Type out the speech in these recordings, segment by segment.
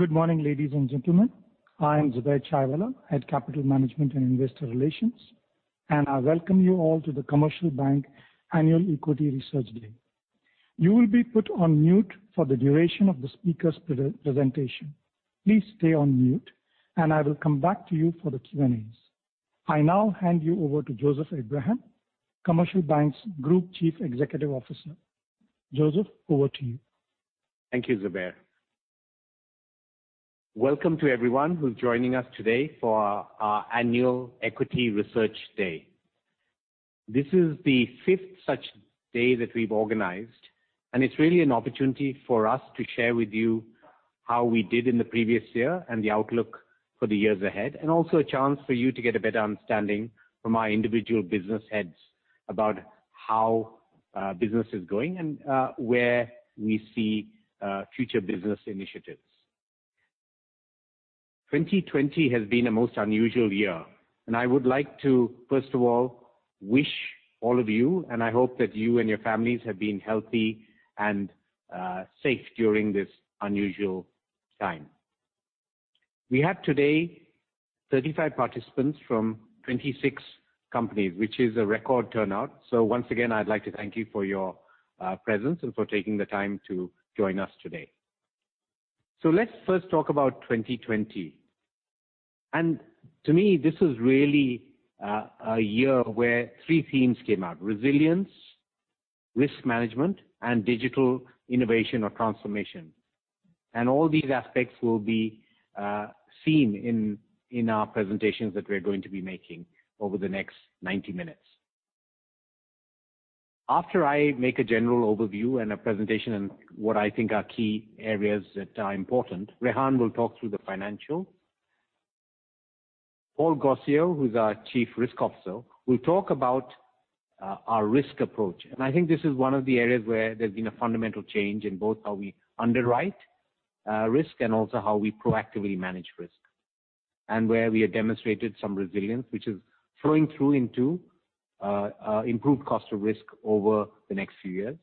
Good morning, ladies and gentlemen. I am Zubair Chaiwalla, Head Capital Management and Investor Relations, and I welcome you all to The Commercial Bank Annual Equity Research Day. You will be put on mute for the duration of the speaker's presentation. Please stay on mute, and I will come back to you for the Q&As. I now hand you over to Joseph Abraham, The Commercial Bank's Group Chief Executive Officer. Joseph, over to you. Thank you, Zubair. Welcome to everyone who's joining us today for our Annual Equity Research Day. This is the fifth such day that we've organized, and it's really an opportunity for us to share with you how we did in the previous year and the outlook for the years ahead, also a chance for you to get a better understanding from our individual business heads about how business is going and where we see future business initiatives. 2020 has been a most unusual year, and I would like to, first of all, wish all of you, and I hope that you and your families have been healthy and safe during this unusual time. We have today 35 participants from 26 companies, which is a record turnout. Once again, I'd like to thank you for your presence and for taking the time to join us today. Let's first talk about 2020. To me, this was really a year where three themes came out: resilience, risk management, and digital innovation or transformation. All these aspects will be seen in our presentations that we're going to be making over the next 90 minutes. After I make a general overview and a presentation on what I think are key areas that are important, Rehan will talk through the financial. Paul Gossio, who's our Chief Risk Officer, will talk about our risk approach. I think this is one of the areas where there's been a fundamental change in both how we underwrite risk and also how we proactively manage risk, and where we have demonstrated some resilience, which is flowing through into improved cost of risk over the next few years.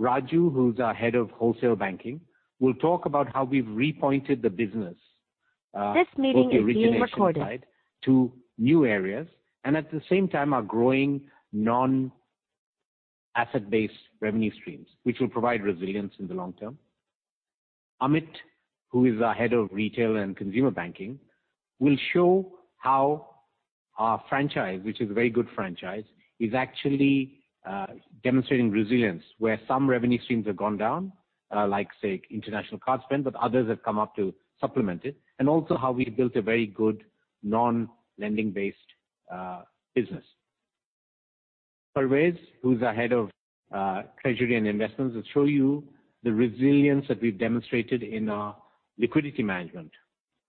Raju, who's our Head of Wholesale Banking, will talk about how we've repointed the business. This meeting is being recorded both the origination side to new areas, and at the same time, our growing non-asset-based revenue streams, which will provide resilience in the long term. Amit, who is our Head of Retail and Consumer Banking, will show how our franchise, which is a very good franchise, is actually demonstrating resilience, where some revenue streams have gone down, like, say, international card spend, but others have come up to supplement it, and also how we built a very good non-lending based business. Parvez, who's our Head of Treasury and Investments, will show you the resilience that we've demonstrated in our liquidity management.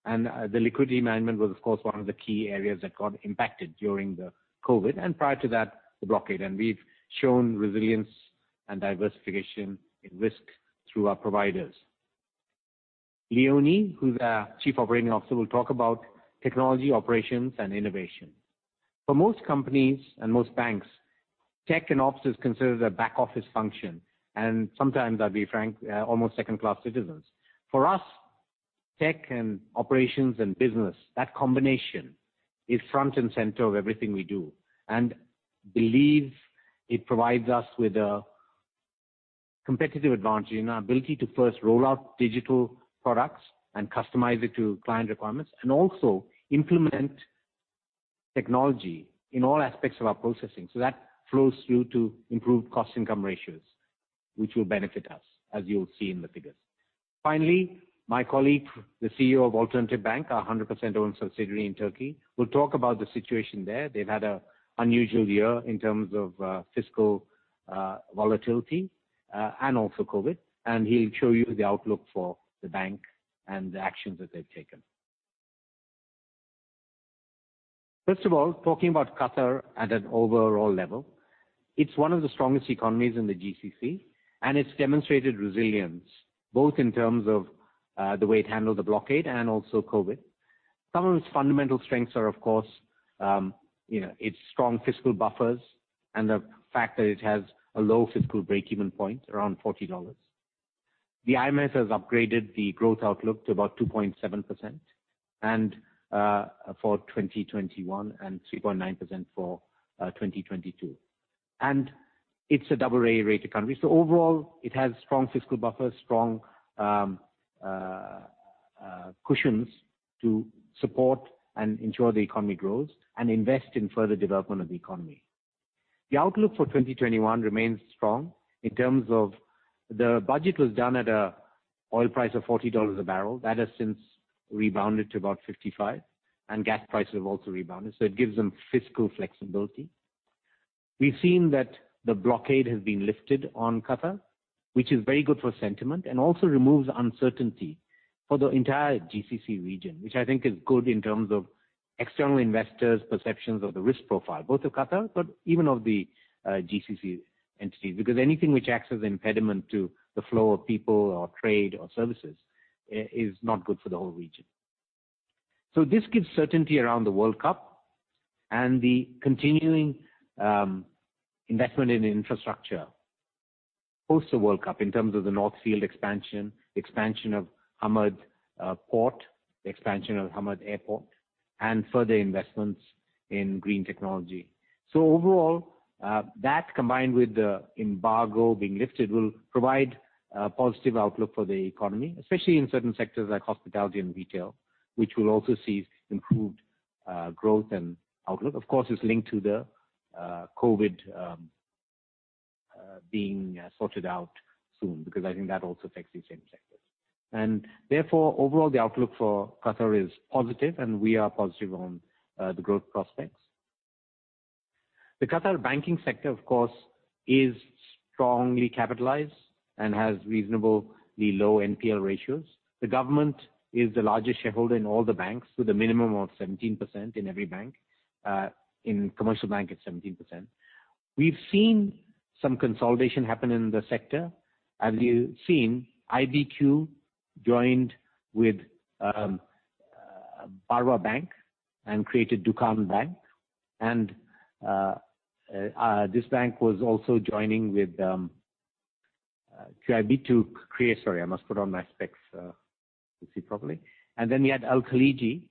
The liquidity management was, of course, one of the key areas that got impacted during the COVID, and prior to that, the blockade. We've shown resilience and diversification in risk through our providers. Leonie, who's our Chief Operating Officer, will talk about technology, operations, and innovation. For most companies and most banks, tech and ops is considered a back-office function, and sometimes, I'll be frank, almost second-class citizens. For us, tech and operations and business, that combination is front and center of everything we do and believes it provides us with a competitive advantage in our ability to first roll out digital products and customize it to client requirements, and also implement technology in all aspects of our processing. That flows through to improved cost-income ratios, which will benefit us, as you'll see in the figures. My colleague, the CEO of Alternatif Bank, our 100% owned subsidiary in Turkey, will talk about the situation there. They've had an unusual year in terms of fiscal volatility and also COVID, and he'll show you the outlook for the bank and the actions that they've taken. First of all, talking about Qatar at an overall level, it's one of the strongest economies in the GCC, and it's demonstrated resilience, both in terms of the way it handled the blockade and also COVID. Some of its fundamental strengths are, of course, its strong fiscal buffers and the fact that it has a low fiscal breakeven point around $40. The IMF has upgraded the growth outlook to about 2.7% for 2021 and 3.9% for 2022. It's a AA-rated country. Overall, it has strong fiscal buffers, strong cushions to support and ensure the economy grows and invest in further development of the economy. The outlook for 2021 remains strong in terms of the budget was done at an oil price of $40 a barrel. That has since rebounded to about $55, and gas prices have also rebounded, so it gives them fiscal flexibility. Anything which acts as an impediment to the flow of people or trade or services is not good for the whole region. This gives certainty around the FIFA World Cup and the continuing investment in infrastructure post the FIFA World Cup in terms of the North Field expansion of Hamad Port, the expansion of Hamad Airport, and further investments in green technology. Overall, that combined with the embargo being lifted, will provide a positive outlook for the economy, especially in certain sectors like hospitality and retail, which will also see improved growth and outlook. Of course, it's linked to the COVID being sorted out soon, because I think that also affects these same sectors. Overall, the outlook for Qatar is positive, and we are positive on the growth prospects. The Qatar banking sector, of course, is strongly capitalized and has reasonably low NPL ratios. The government is the largest shareholder in all the banks, with a minimum of 17% in every bank. In The Commercial Bank, it's 17%. We've seen some consolidation happen in the sector. As you've seen, ibq joined with Barwa Bank and created Dukhan Bank. This bank was also joining with QIB to create Sorry, I must put on my specs to see properly. We had Al Khaliji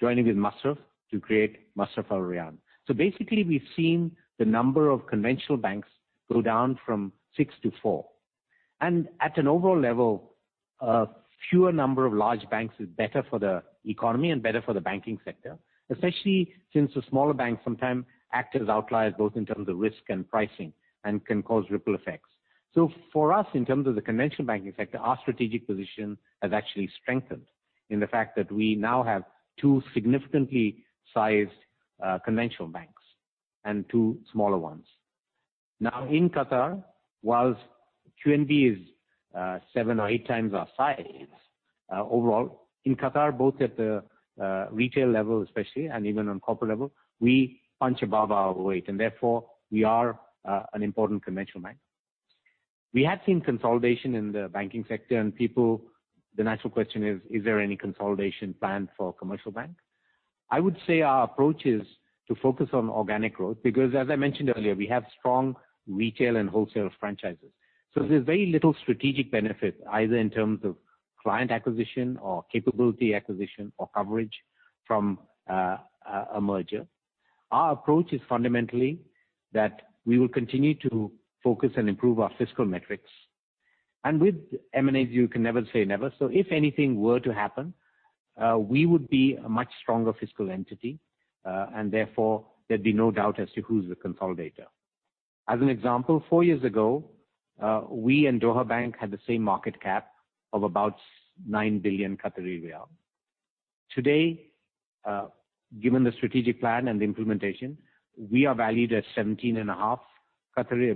joining with Masraf to create Masraf Al Rayan. Basically, we've seen the number of conventional banks go down from six to four. At an overall level, a fewer number of large banks is better for the economy and better for the banking sector. Especially since the smaller banks sometimes act as outliers, both in terms of risk and pricing, and can cause ripple effects. For us, in terms of the conventional banking sector, our strategic position has actually strengthened in the fact that we now have two significantly sized conventional banks and two smaller ones. In Qatar, whilst QNB is seven or eight times our size overall, in Qatar, both at the retail level especially, and even on corporate level, we punch above our weight. We are an important conventional bank. We have seen consolidation in the banking sector and people, the natural question is: Is there any consolidation plan for The Commercial Bank? I would say our approach is to focus on organic growth, because as I mentioned earlier, we have strong retail and wholesale franchises. There's very little strategic benefit, either in terms of client acquisition or capability acquisition or coverage from a merger. Our approach is fundamentally that we will continue to focus and improve our fiscal metrics. With M&As, you can never say never. If anything were to happen, we would be a much stronger fiscal entity, and therefore there'd be no doubt as to who's the consolidator. As an example, four years ago, we and Doha Bank had the same market cap of about 9 billion QAR. Today, given the strategic plan and the implementation, we are valued at 17.5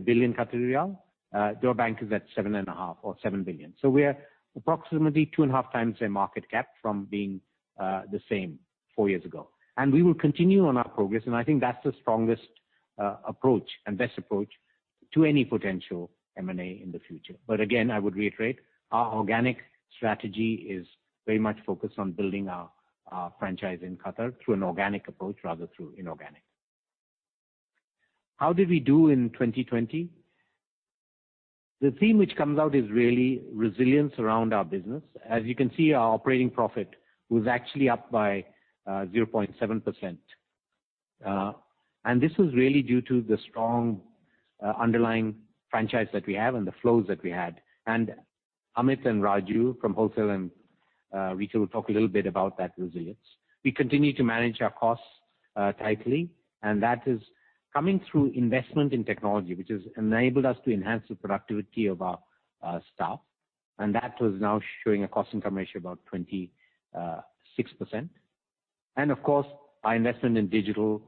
billion QAR. Doha Bank is at 7.5 billion QAR or 7 billion QAR. We are approximately two and a half times their market cap from being the same four years ago. We will continue on our progress, and I think that's the strongest approach and best approach to any potential M&A in the future. Again, I would reiterate, our organic strategy is very much focused on building our franchise in Qatar through an organic approach rather through inorganic. How did we do in 2020? The theme which comes out is really resilience around our business. As you can see, our operating profit was actually up by 0.7%. This was really due to the strong underlying franchise that we have and the flows that we had. Amit and Raju from wholesale and retail will talk a little bit about that resilience. We continue to manage our costs tightly, and that is coming through investment in technology, which has enabled us to enhance the productivity of our staff, and that was now showing a cost-income ratio about 26%. Of course, our investment in digital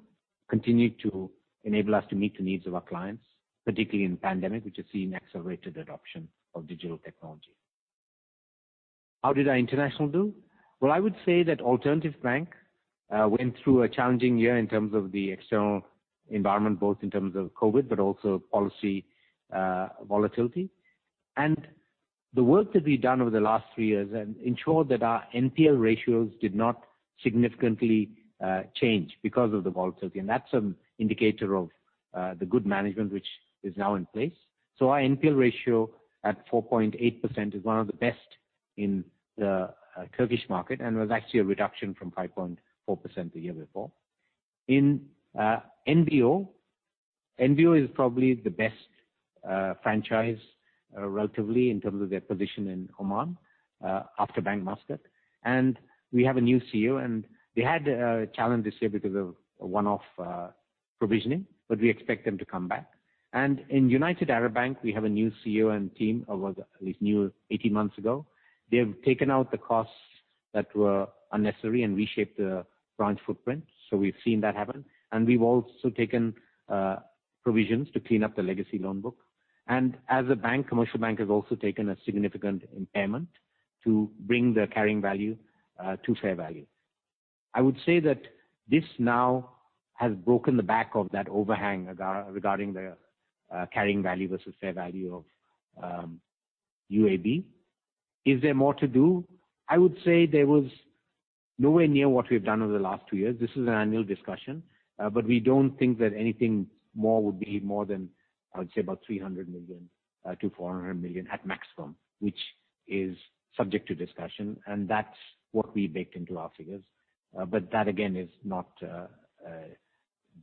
continued to enable us to meet the needs of our clients, particularly in the pandemic, which has seen accelerated adoption of digital technology. How did our international do? I would say that Alternatif Bank went through a challenging year in terms of the external environment, both in terms of COVID, but also policy volatility. The work that we've done over the last three years ensured that our NPL ratios did not significantly change because of the volatility, and that's an indicator of the good management which is now in place. Our NPL ratio at 4.8% is one of the best in the Turkish market and was actually a reduction from 5.4% the year before. In NBO is probably the best franchise, relatively, in terms of their position in Oman, after Bank Muscat. We have a new CEO, and they had a challenge this year because of one-off provisioning, but we expect them to come back. In United Arab Bank, we have a new CEO and team, or at least new 18 months ago. They have taken out the costs that were unnecessary and reshaped the branch footprint. We've seen that happen. We've also taken provisions to clean up the legacy loan book. As a bank, Commercial Bank has also taken a significant impairment to bring the carrying value to fair value. I would say that this now has broken the back of that overhang regarding the carrying value versus fair value of UAB. Is there more to do? I would say there was nowhere near what we've done over the last two years. This is an annual discussion, but we don't think that anything more would be more than, I would say about 300 million-400 million at maximum, which is subject to discussion, and that's what we baked into our figures. That, again, is not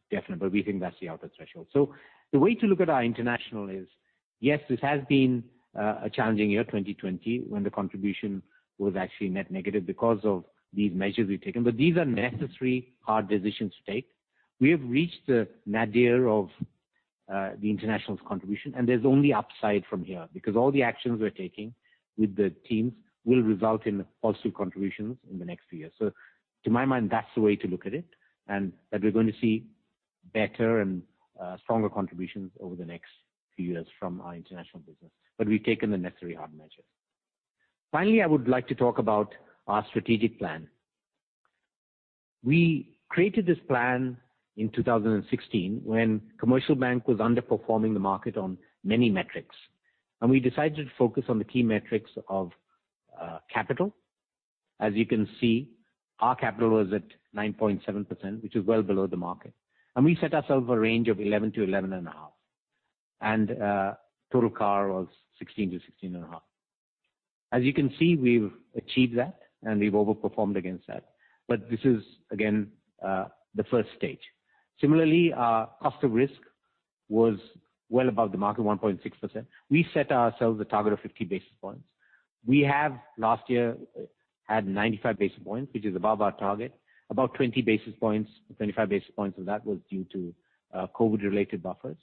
definite, but we think that's the upper threshold. The way to look at our international is, yes, this has been a challenging year, 2020, when the contribution was actually net negative because of these measures we've taken. These are necessary hard decisions to take. We have reached the nadir of the international's contribution, and there's only upside from here, because all the actions we're taking with the teams will result in positive contributions in the next few years. To my mind, that's the way to look at it, and that we're going to see better and stronger contributions over the next few years from our international business. We've taken the necessary hard measures. Finally, I would like to talk about our strategic plan. We created this plan in 2016 when The Commercial Bank was underperforming the market on many metrics. We decided to focus on the key metrics of capital. As you can see, our capital was at 9.7%, which is well below the market. We set ourselves a range of 11%-11.5%. Total CAR was 16%-16.5%. As you can see, we've achieved that and we've overperformed against that. This is again, the first stage. Similarly, our cost of risk was well above the market, 1.6%. We set ourselves a target of 50 basis points. We have last year had 95 basis points, which is above our target. About 20 basis points, 25 basis points of that was due to COVID-related buffers.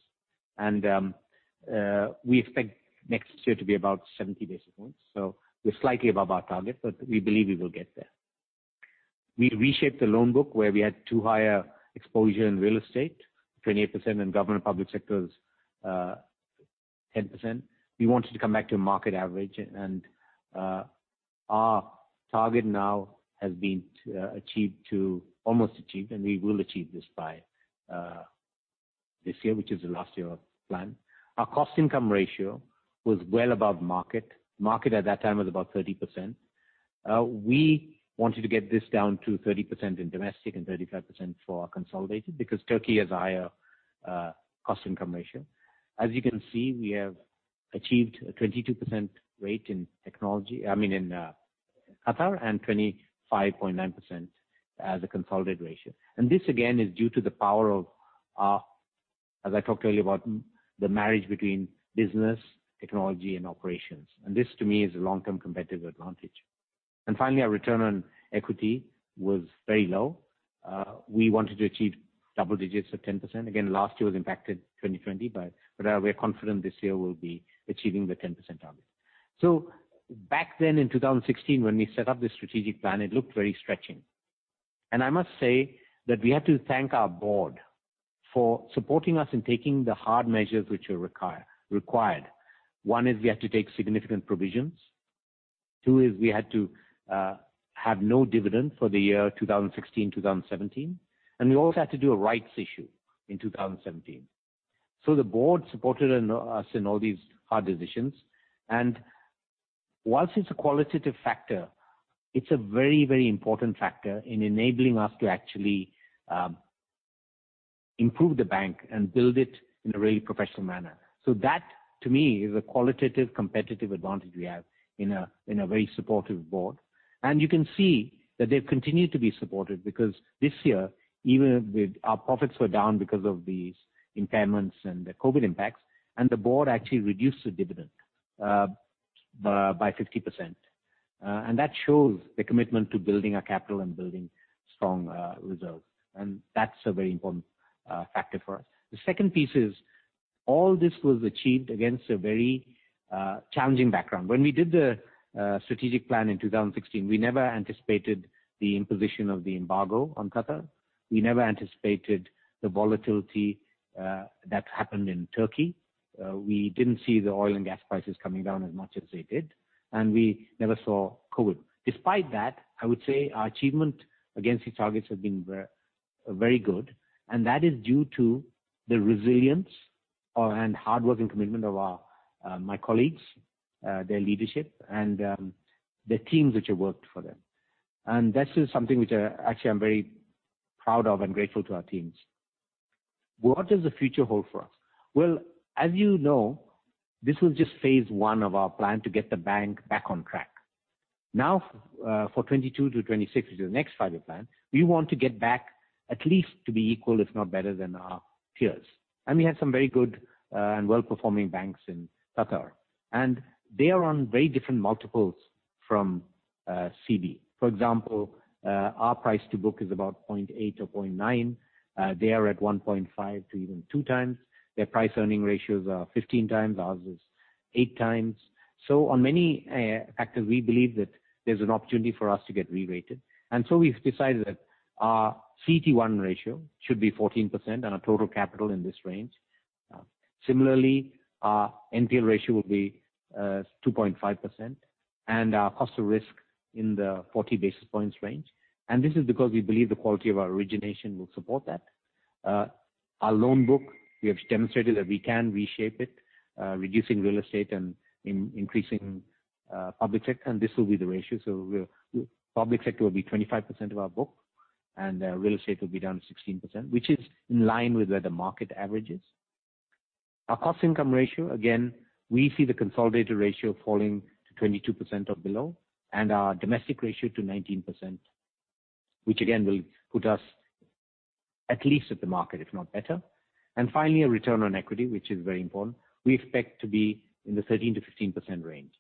We expect next year to be about 70 basis points. We're slightly above our target, but we believe we will get there. We reshaped the loan book where we had too higher exposure in real estate, 28%, and government public sector was 10%. We wanted to come back to market average and our target now has been almost achieved, and we will achieve this by this year, which is the last year of plan. Our cost income ratio was well above market. Market at that time was about 30%. We wanted to get this down to 30% in domestic and 35% for our consolidated, because Turkey has a higher cost income ratio. As you can see, we have achieved a 22% rate in technology, I mean in Qatar, and 25.9% as a consolidated ratio. This again is due to the power of our, as I talked earlier about the marriage between business, technology and operations. This to me is a long-term competitive advantage. Finally, our return on equity was very low. We wanted to achieve double digits of 10%. Again, last year was impacted, 2020, but we're confident this year we'll be achieving the 10% target. Back then in 2016 when we set up this strategic plan, it looked very stretching. I must say that we have to thank our board for supporting us in taking the hard measures which were required. One is we had to take significant provisions. Two is we had to have no dividend for the year 2016-2017, and we also had to do a rights issue in 2017. The board supported us in all these hard decisions, and whilst it's a qualitative factor, it's a very important factor in enabling us to actually improve the bank and build it in a really professional manner. That to me is a qualitative competitive advantage we have in a very supportive board. You can see that they've continued to be supportive because this year, even with our profits were down because of these impairments and the COVID impacts, the board actually reduced the dividend by 50%. That shows the commitment to building our capital and building strong reserves. That's a very important factor for us. The second piece is all this was achieved against a very challenging background. When we did the strategic plan in 2016, we never anticipated the imposition of the embargo on Qatar. We never anticipated the volatility that happened in Turkey. We didn't see the oil and gas prices coming down as much as they did, and we never saw COVID. Despite that, I would say our achievement against these targets have been very good, and that is due to the resilience and hard work and commitment of my colleagues, their leadership and the teams which have worked for them. That is something which actually I'm very proud of and grateful to our teams. What does the future hold for us? Well, as you know, this was just phase one of our plan to get the bank back on track. Now, for 2022 to 2026, which is the next five year plan, we want to get back at least to be equal, if not better than our peers. We have some very good and well-performing banks in Qatar. They are on very different multiples from CB. For example, our price to book is about 0.8 or 0.9. They are at 1.5 to even two times. Their price earning ratios are 15 times, ours is eight times. On many factors, we believe that there's an opportunity for us to get re-rated. We've decided that our CET1 ratio should be 14% and our total capital in this range. Similarly, our NPL ratio will be 2.5% and our cost of risk in the 40 basis points range. This is because we believe the quality of our origination will support that Our loan book, we have demonstrated that we can reshape it, reducing real estate and increasing public sector, this will be the ratio. Public sector will be 25% of our book, and real estate will be down to 16%, which is in line with where the market average is. Our cost income ratio, again, we see the consolidated ratio falling to 22% or below, and our domestic ratio to 19%, which again, will put us at least at the market, if not better. Finally, a return on equity, which is very important. We expect to be in the 13%-15% range.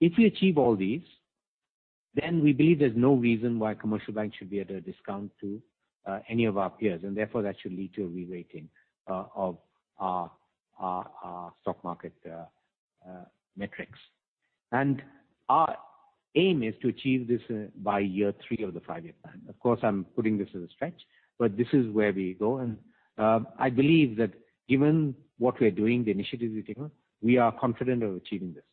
If we achieve all these, we believe there's no reason why Commercial Bank should be at a discount to any of our peers, therefore, that should lead to a re-rating of our stock market metrics. Our aim is to achieve this by year three of the five-year plan. Of course, I'm putting this as a stretch, but this is where we go. I believe that given what we're doing, the initiatives we've taken, we are confident of achieving this.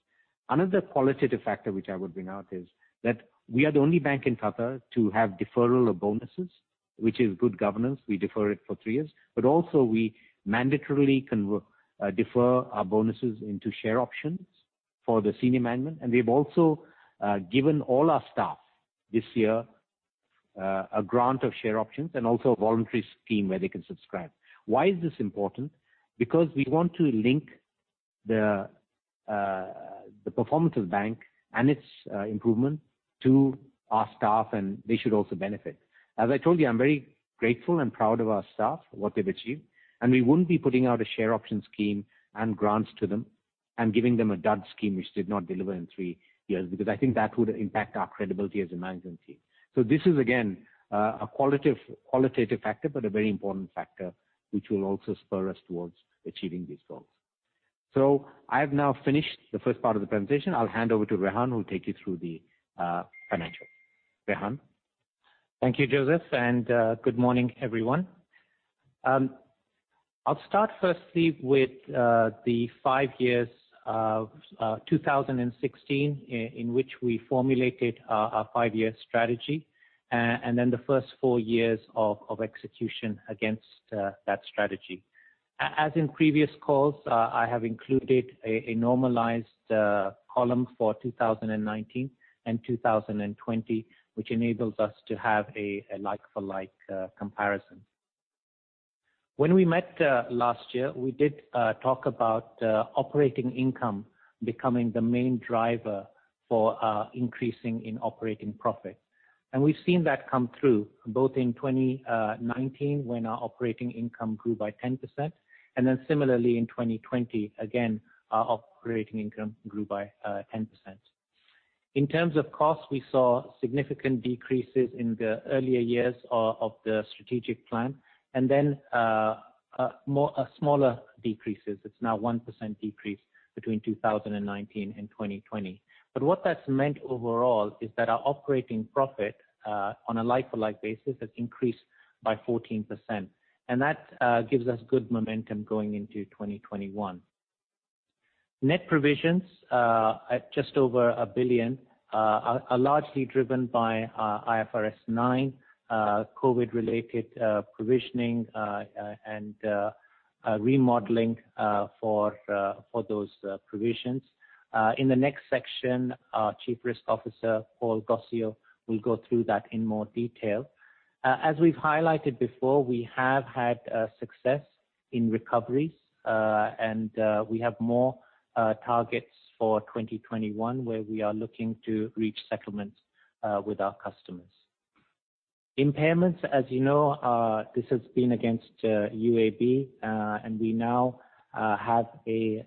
Another qualitative factor which I would bring out is that we are the only bank in Qatar to have deferral of bonuses, which is good governance. We defer it for three years. Also, we mandatorily defer our bonuses into share options for the senior management. We've also given all our staff, this year, a grant of share options and also a voluntary scheme where they can subscribe. Why is this important? We want to link the performance of bank and its improvement to our staff, and they should also benefit. As I told you, I'm very grateful and proud of our staff for what they've achieved. We wouldn't be putting out a share option scheme and grants to them and giving them a dud scheme which did not deliver in three years, because I think that would impact our credibility as a management team. This is again, a qualitative factor, but a very important factor which will also spur us towards achieving these goals. I've now finished the first part of the presentation. I'll hand over to Rehan, who will take you through the financial. Rehan? Thank you, Joseph, good morning, everyone. I'll start firstly with the five years of 2016, in which we formulated our five-year strategy, then the first four years of execution against that strategy. As in previous calls, I have included a normalized column for 2019 and 2020, which enables us to have a like for like comparison. When we met last year, we did talk about operating income becoming the main driver for our increasing in operating profit. We've seen that come through both in 2019 when our operating income grew by 10%, then similarly in 2020, again, our operating income grew by 10%. In terms of cost, we saw significant decreases in the earlier years of the strategic plan, then smaller decreases. It's now 1% decrease between 2019 and 2020. What that's meant overall is that our operating profit, on a like for like basis, has increased by 14%. That gives us good momentum going into 2021. Net provisions at just over 1 billion are largely driven by IFRS 9, COVID related provisioning, and remodeling for those provisions. In the next section, our Chief Risk Officer, Paul Gossio, will go through that in more detail. As we've highlighted before, we have had success in recoveries, we have more targets for 2021 where we are looking to reach settlements with our customers. Impairments, as you know, this has been against UAB, we now have a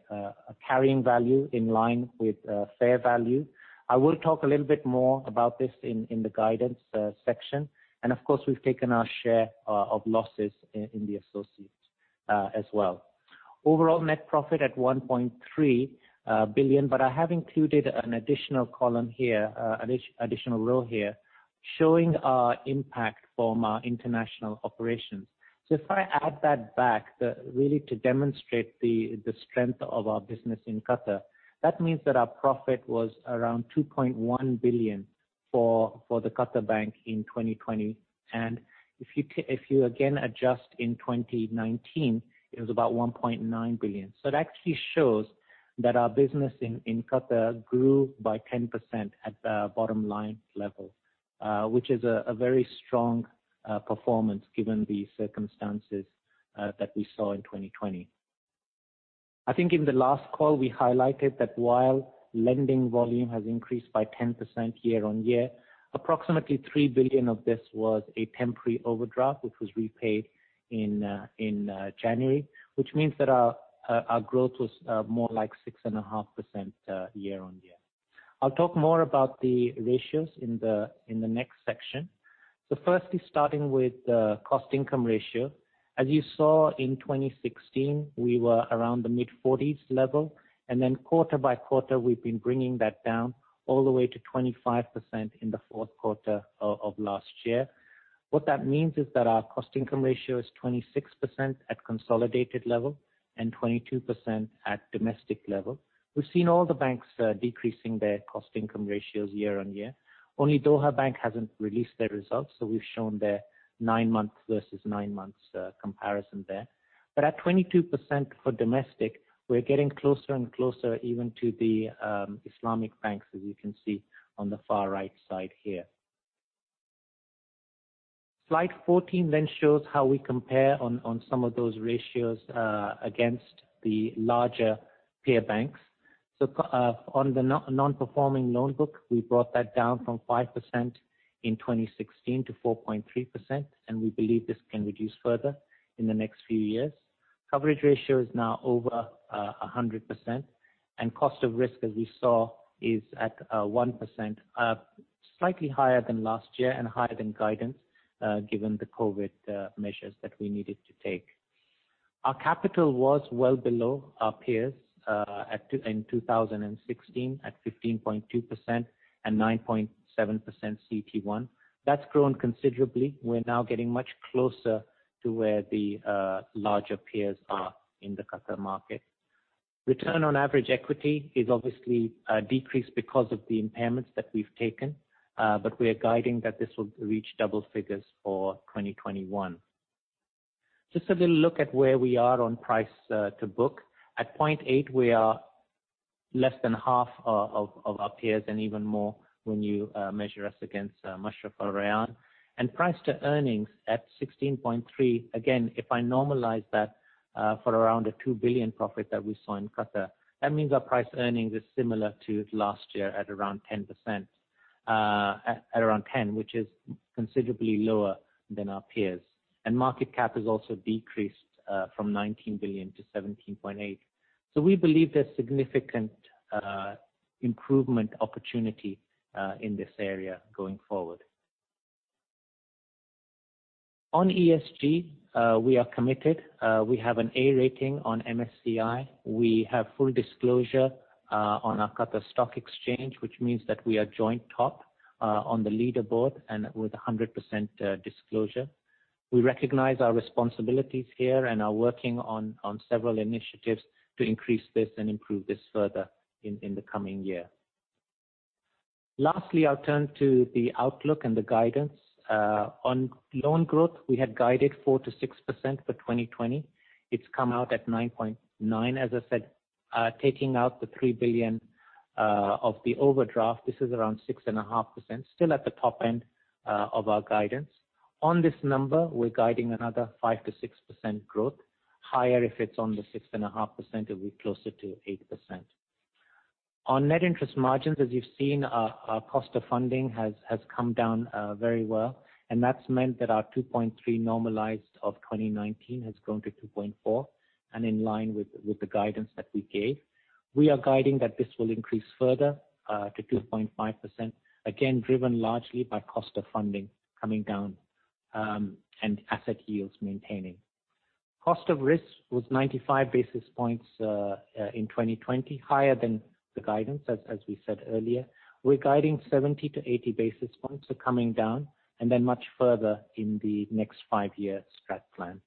carrying value in line with fair value. I will talk a little bit more about this in the guidance section. Of course, we've taken our share of losses in the associates as well. Overall net profit at 1.3 billion, I have included an additional column here, additional row here, showing our impact from our international operations. If I add that back, really to demonstrate the strength of our business in Qatar, that means that our profit was around 2.1 billion for The Commercial Bank in 2020. If you, again, adjust in 2019, it was about 1.9 billion. It actually shows that our business in Qatar grew by 10% at the bottom line level, which is a very strong performance given the circumstances that we saw in 2020. I think in the last call, we highlighted that while lending volume has increased by 10% year-on-year, approximately 3 billion of this was a temporary overdraft which was repaid in January, which means that our growth was more like 6.5% year-on-year. I'll talk more about the ratios in the next section. Firstly, starting with the cost income ratio. As you saw in 2016, we were around the mid-40s level, and then quarter by quarter, we've been bringing that down all the way to 25% in the fourth quarter of last year. What that means is that our cost income ratio is 26% at consolidated level and 22% at domestic level. We've seen all the banks decreasing their cost income ratios year on year. Only Doha Bank hasn't released their results, so we've shown their nine months versus nine months comparison there. At 22% for domestic, we're getting closer and closer even to the Islamic banks, as you can see on the far right side here. Slide 14 shows how we compare on some of those ratios against the larger peer banks. On the non-performing loan book, we brought that down from 5% in 2016 to 4.3%, and we believe this can reduce further in the next few years. Coverage ratio is now over 100%, and cost of risk, as we saw, is at 1%, slightly higher than last year and higher than guidance, given the COVID measures that we needed to take. Our capital was well below our peers in 2016, at 15.2% and 9.7% CET1. That's grown considerably. We're now getting much closer to where the larger peers are in the Qatar market. Return on average equity is obviously decreased because of the impairments that we've taken, but we are guiding that this will reach double figures for 2021. Just a little look at where we are on price to book. At 0.8, we are less than half of our peers and even more when you measure us against Mashreq or Rayan. Price to earnings at 16.3. Again, if I normalize that for around a 2 billion profit that we saw in Qatar, that means our price earnings is similar to last year at around 10%, which is considerably lower than our peers. Market cap has also decreased from 19 billion to 17.8 billion. We believe there's significant improvement opportunity in this area going forward. On ESG, we are committed. We have an A rating on MSCI. We have full disclosure on our Qatar Stock Exchange, which means that we are joint top on the leader board and with 100% disclosure. We recognize our responsibilities here and are working on several initiatives to increase this and improve this further in the coming year. Lastly, I'll turn to the outlook and the guidance. On loan growth, we had guided 4%-6% for 2020. It's come out at 9.9%. As I said, taking out the 3 billion of the overdraft, this is around 6.5%, still at the top end of our guidance. On this number, we're guiding another 5%-6% growth. Higher if it's on the 6.5%, it'll be closer to 8%. On net interest margins, as you've seen, our cost of funding has come down very well, and that's meant that our 2.3% normalized of 2019 has grown to 2.4%, and in line with the guidance that we gave. We are guiding that this will increase further to 2.5%, again, driven largely by cost of funding coming down and asset yields maintaining. Cost of risk was 95 basis points in 2020, higher than the guidance, as we said earlier. We're guiding 70-80 basis points are coming down, much further in the next five-year strat plan.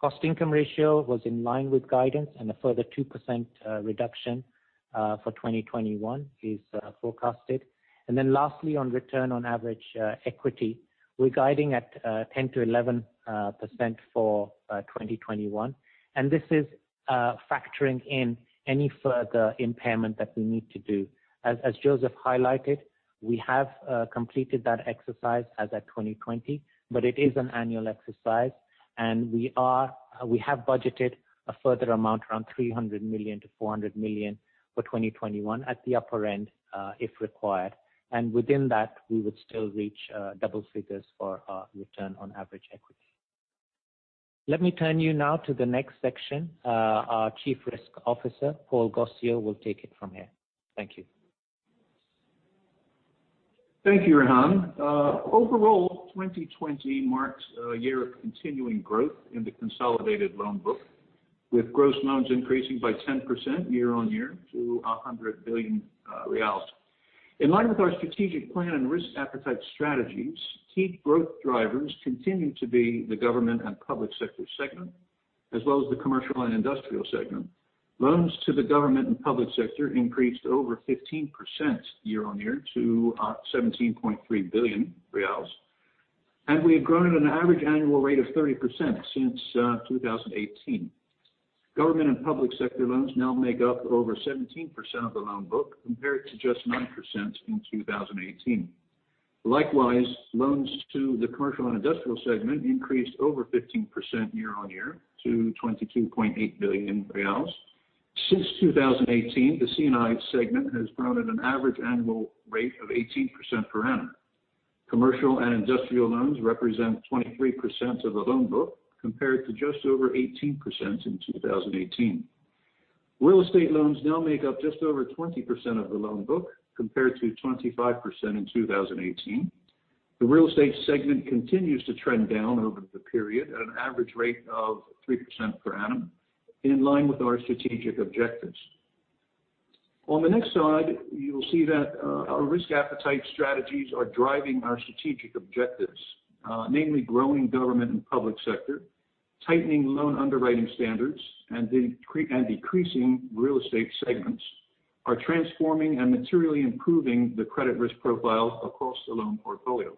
Cost income ratio was in line with guidance, a further 2% reduction for 2021 is forecasted. Lastly, on return on average equity, we're guiding at 10%-11% for 2021. This is factoring in any further impairment that we need to do. As Joseph highlighted, we have completed that exercise as at 2020, it is an annual exercise and we have budgeted a further amount, around 300 million-400 million for 2021 at the upper end if required. Within that, we would still reach double figures for our return on average equity. Let me turn you now to the next section. Our Chief Risk Officer, Paul Gossiaux, will take it from here. Thank you. Thank you, Rehan. Overall, 2020 marks a year of continuing growth in the consolidated loan book with gross loans increasing by 10% year-on-year to QAR 100 billion. In line with our strategic plan and risk appetite strategies, key growth drivers continue to be the government and public sector segment, as well as the commercial and industrial segment. Loans to the government and public sector increased over 15% year-on-year to QAR 17.3 billion, we have grown at an average annual rate of 30% since 2018. Government and public sector loans now make up over 17% of the loan book, compared to just 9% in 2018. Likewise, loans to the commercial and industrial segment increased over 15% year-on-year to QAR 22.8 billion. Since 2018, the C&I segment has grown at an average annual rate of 18% per annum. Commercial and industrial loans represent 23% of the loan book, compared to just over 18% in 2018. Real estate loans now make up just over 20% of the loan book, compared to 25% in 2018. The real estate segment continues to trend down over the period at an average rate of 3% per annum, in line with our strategic objectives. On the next slide, you will see that our risk appetite strategies are driving our strategic objectives. Namely, growing government and public sector, tightening loan underwriting standards, decreasing real estate segments are transforming and materially improving the credit risk profile across the loan portfolio.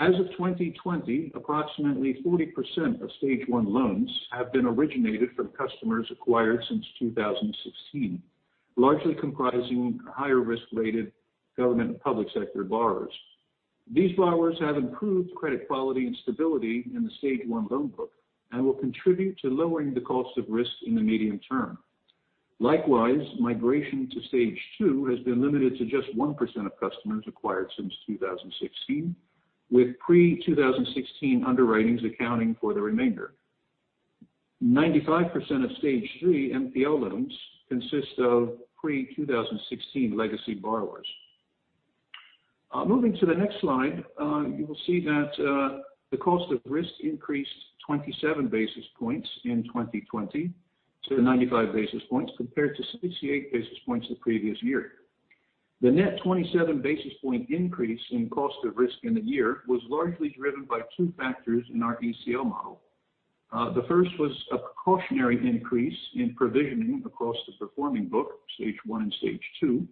As of 2020, approximately 40% of Stage 1 loans have been originated from customers acquired since 2016, largely comprising higher risk-rated government and public sector borrowers. These borrowers have improved credit quality and stability in the Stage 1 loan book will contribute to lowering the cost of risk in the medium term. Likewise, migration to Stage 2 has been limited to just 1% of customers acquired since 2016, with pre-2016 underwritings accounting for the remainder. 95% of Stage 3 NPL loans consist of pre-2016 legacy borrowers. Moving to the next slide, you will see that the cost of risk increased 27 basis points in 2020 to 95 basis points, compared to 68 basis points the previous year. The net 27 basis point increase in cost of risk in the year was largely driven by two factors in our ECL model. The first was a precautionary increase in provisioning across the performing book, Stage 1 and Stage 2,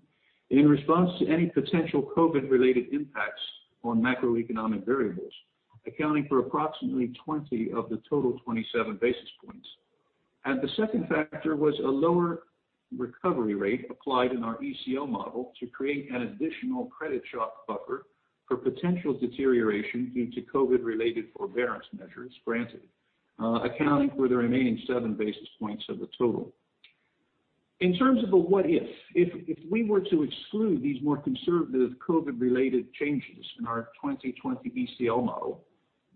in response to any potential COVID related impacts on macroeconomic variables, accounting for approximately 20 of the total 27 basis points. The second factor was a lower recovery rate applied in our ECL model to create an additional credit shock buffer for potential deterioration due to COVID related forbearance measures granted, accounting for the remaining seven basis points of the total. In terms of a what if we were to exclude these more conservative COVID related changes in our 2020 ECL model,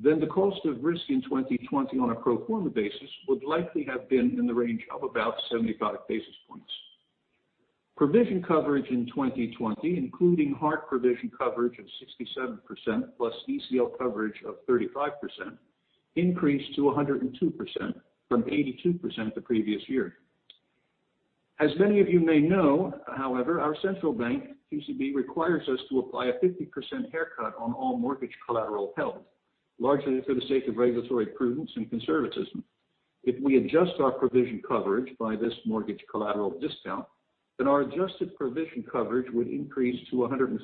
then the cost of risk in 2020 on a pro forma basis would likely have been in the range of about 75 basis points. Provision coverage in 2020, including hard provision coverage of 67% plus ECL coverage of 35%, increased to 102% from 82% the previous year. As many of you may know, however, our central bank, QCB, requires us to apply a 50% haircut on all mortgage collateral held, largely for the sake of regulatory prudence and conservatism. If we adjust our provision coverage by this mortgage collateral discount, then our adjusted provision coverage would increase to 115%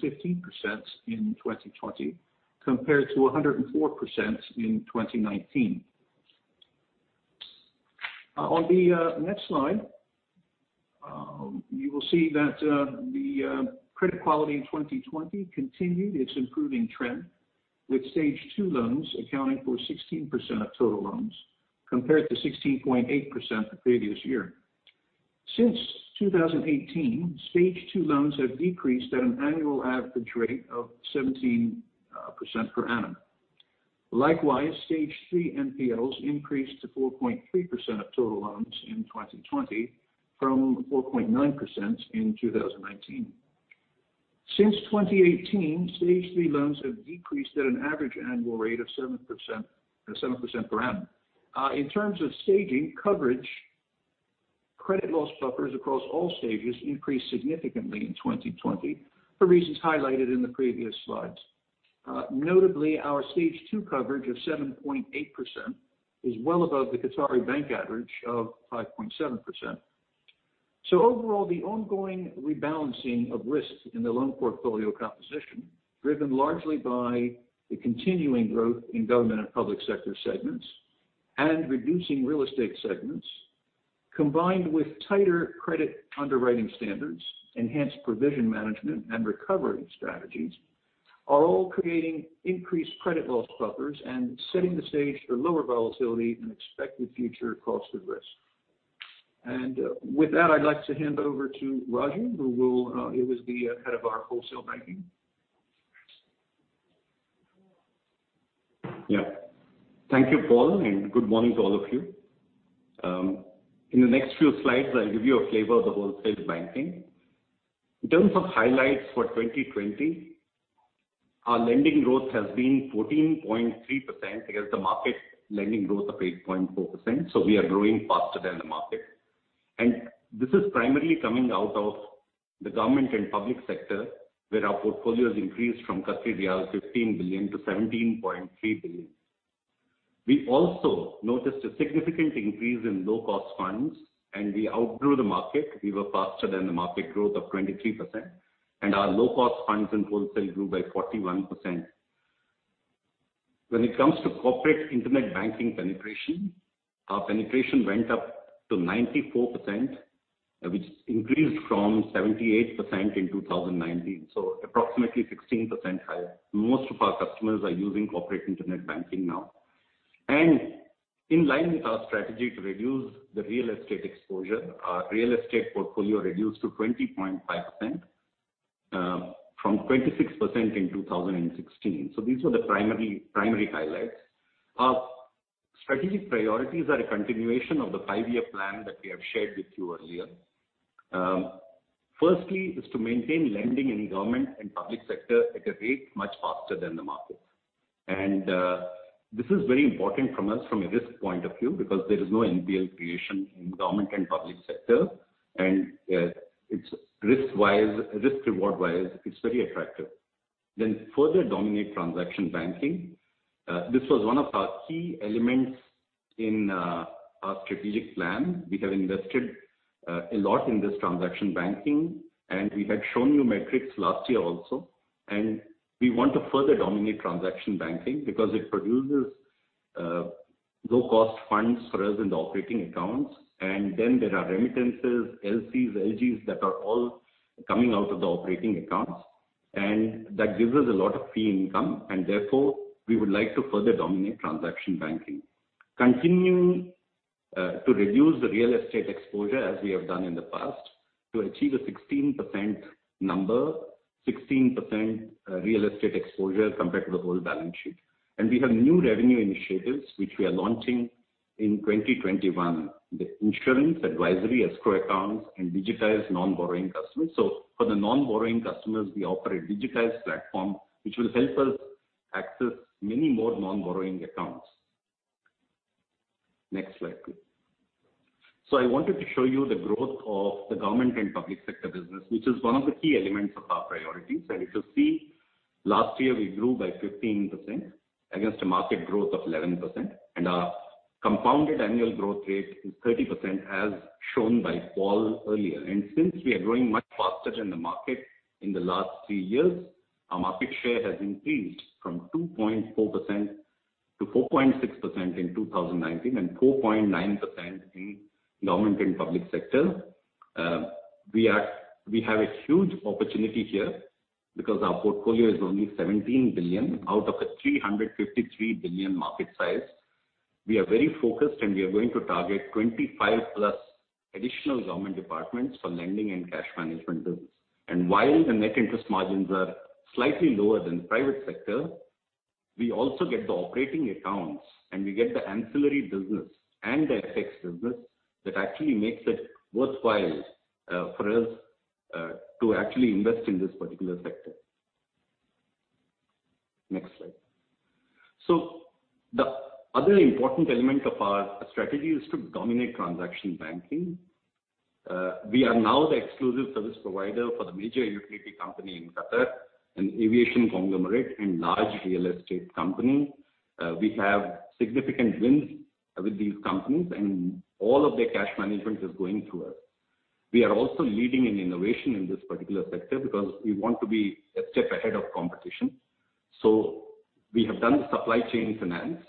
in 2020 compared to 104% in 2019. On the next slide, you will see that the credit quality in 2020 continued its improving trend, with Stage 2 loans accounting for 16% of total loans compared to 16.8% the previous year. Since 2018, Stage 2 loans have decreased at an annual average rate of 17% per annum. Likewise, Stage 3 NPLs increased to 4.3% of total loans in 2020 from 4.9% in 2019. Since 2018, Stage 3 loans have decreased at an average annual rate of 7% per annum. In terms of staging coverage, credit loss buffers across all stages increased significantly in 2020 for reasons highlighted in the previous slides. Notably, our Stage 2 coverage of 7.8% is well above the Qatari bank average of 5.7%. Overall, the ongoing rebalancing of risk in the loan portfolio composition, driven largely by the continuing growth in government and public sector segments and reducing real estate segments, combined with tighter credit underwriting standards, enhanced provision management and recovery strategies, are all creating increased credit loss buffers and setting the stage for lower volatility and expected future cost of risk. With that, I'd like to hand it over to Raju, who will be Head of our Wholesale Banking. Thank you, Paul, and good morning to all of you. In the next few slides, I'll give you a flavor of the Wholesale Banking. In terms of highlights for 2020, our lending growth has been 14.3% against the market lending growth of 8.4%. We are growing faster than the market. This is primarily coming out of the government and public sector, where our portfolio has increased from 15 billion to 17.3 billion. We also noticed a significant increase in low-cost funds. We outgrew the market. We were faster than the market growth of 23%. Our low-cost funds in wholesale grew by 41%. When it comes to corporate internet banking penetration, our penetration went up to 94%, which increased from 78% in 2019, approximately 16% higher. Most of our customers are using corporate internet banking now. In line with our strategy to reduce the real estate exposure, our real estate portfolio reduced to 20.5% from 26% in 2016. These were the primary highlights. Our strategic priorities are a continuation of the five-year plan that we have shared with you earlier. Firstly, to maintain lending in government and public sector at a rate much faster than the market. This is very important from us from a risk point of view because there is no NPL creation in government and public sector and risk reward-wise, it's very attractive. Further dominate transaction banking. This was one of our key elements in our strategic plan. We have invested a lot in this transaction banking, and we had shown you metrics last year also. We want to further dominate transaction banking because it produces low-cost funds for us in the operating accounts. There are remittances, LCs, LGs that are all coming out of the operating accounts and that gives us a lot of fee income. Therefore, we would like to further dominate transaction banking. Continue to reduce the real estate exposure as we have done in the past to achieve a 16% number, 16% real estate exposure compared to the whole balance sheet. We have new revenue initiatives which we are launching in 2021. The insurance, advisory, escrow accounts, and digitized non-borrowing customers. For the non-borrowing customers we offer a digitized platform which will help us access many more non-borrowing accounts. Next slide, please. I wanted to show you the growth of the government and public sector business, which is one of the key elements of our priorities. If you see, last year we grew by 15% against a market growth of 11%. Our compounded annual growth rate is 30%, as shown by Paul earlier. Since we are growing much faster than the market in the last three years, our market share has increased from 2.4% to 4.6% in 2019 and 4.9% in government and public sector. We have a huge opportunity here because our portfolio is only 17 billion out of a 353 billion market size. We are very focused and we are going to target 25-plus additional government departments for lending and cash management business. While the net interest margins are slightly lower than the private sector, we also get the operating accounts and we get the ancillary business and the FX business that actually makes it worthwhile for us to actually invest in this particular sector. Next slide. The other important element of our strategy is to dominate transaction banking. We are now the exclusive service provider for the major utility company in Qatar, an aviation conglomerate and large real estate company. We have significant wins with these companies and all of their cash management is going through us. We are also leading in innovation in this particular sector because we want to be a step ahead of competition. We have done the supply chain finance.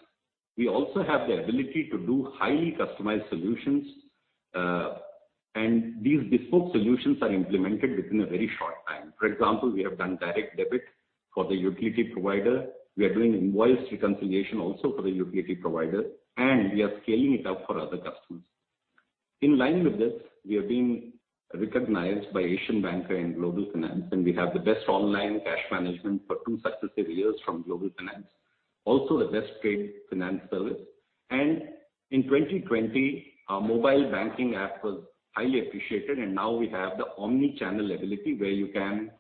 We also have the ability to do highly customized solutions. These bespoke solutions are implemented within a very short time. For example, we have done direct debit for the utility provider. We are doing invoice reconciliation also for the utility provider, and we are scaling it up for other customers. In line with this, we are being recognized by The Asian Banker and Global Finance and we have the best online cash management for two successive years from Global Finance. The best trade finance service. In 2020, our mobile banking app was highly appreciated and now we have the omni-channel ability where you can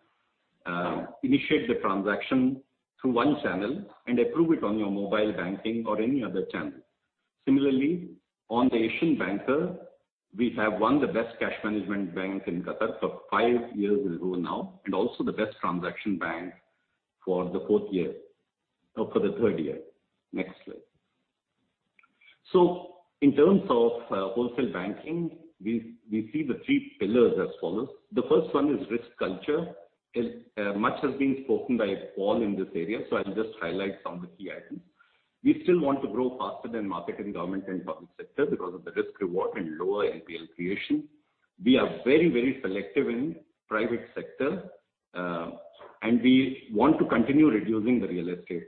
initiate the transaction through one channel and approve it on your mobile banking or any other channel. Similarly, on The Asian Banker, we have won the best cash management bank in Qatar for five years in a row now and also the best transaction bank for the third year. Next slide. In terms of wholesale banking, we see the three pillars as follows. The first one is risk culture. Much has been spoken by Paul in this area, so I'll just highlight some of the key items. We still want to grow faster than market and government and public sector because of the risk reward and lower NPL creation. We are very selective in private sector. We want to continue reducing the real estate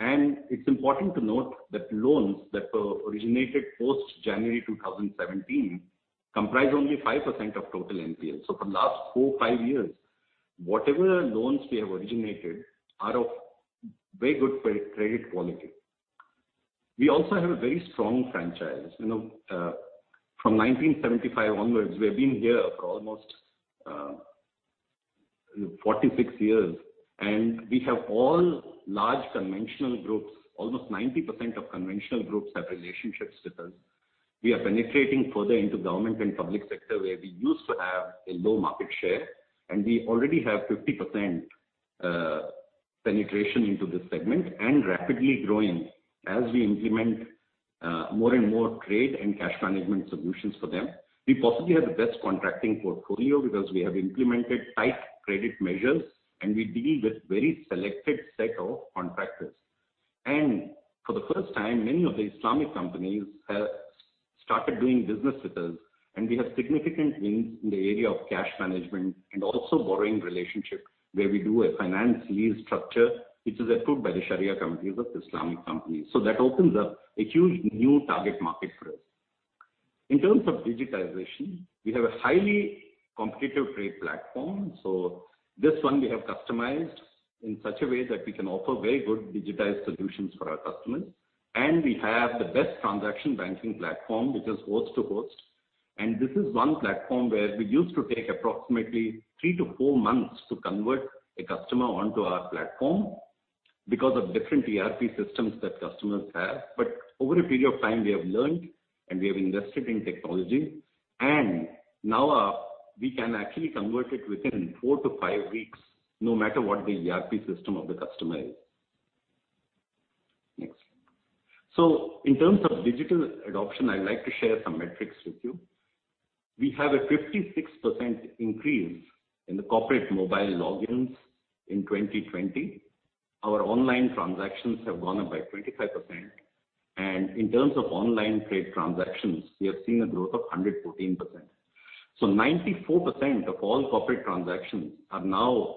structure. It's important to note that loans that were originated post January 2017 comprise only 5% of total NPLs. For the last four, five years, whatever loans we have originated are of very good credit quality. We also have a very strong franchise. From 1975 onwards, we've been here for almost 46 years and we have all large conventional groups. Almost 90% of conventional groups have relationships with us. We are penetrating further into government and public sector where we used to have a low market share, and we already have 50% penetration into this segment and rapidly growing as we implement more and more trade and cash management solutions for them. We possibly have the best contracting portfolio because we have implemented tight credit measures and we deal with very selected set of contractors. For the first time, many of the Islamic companies have started doing business with us and we have significant wins in the area of cash management and also borrowing relationship where we do a finance lease structure which is approved by the Sharia companies of Islamic companies. That opens up a huge new target market for us. In terms of digitization, we have a highly competitive trade platform. This one we have customized in such a way that we can offer very good digitized solutions for our customers. We have the best transaction banking platform which is host to host. This is one platform where we used to take approximately three to four months to convert a customer onto our platform because of different ERP systems that customers have. Over a period of time, we have learned and we have invested in technology. Now we can actually convert it within four to five weeks, no matter what the ERP system of the customer is. Next. In terms of digital adoption, I'd like to share some metrics with you. We have a 56% increase in the corporate mobile logins in 2020. Our online transactions have gone up by 25%, and in terms of online trade transactions, we have seen a growth of 114%. 94% of all corporate transactions are now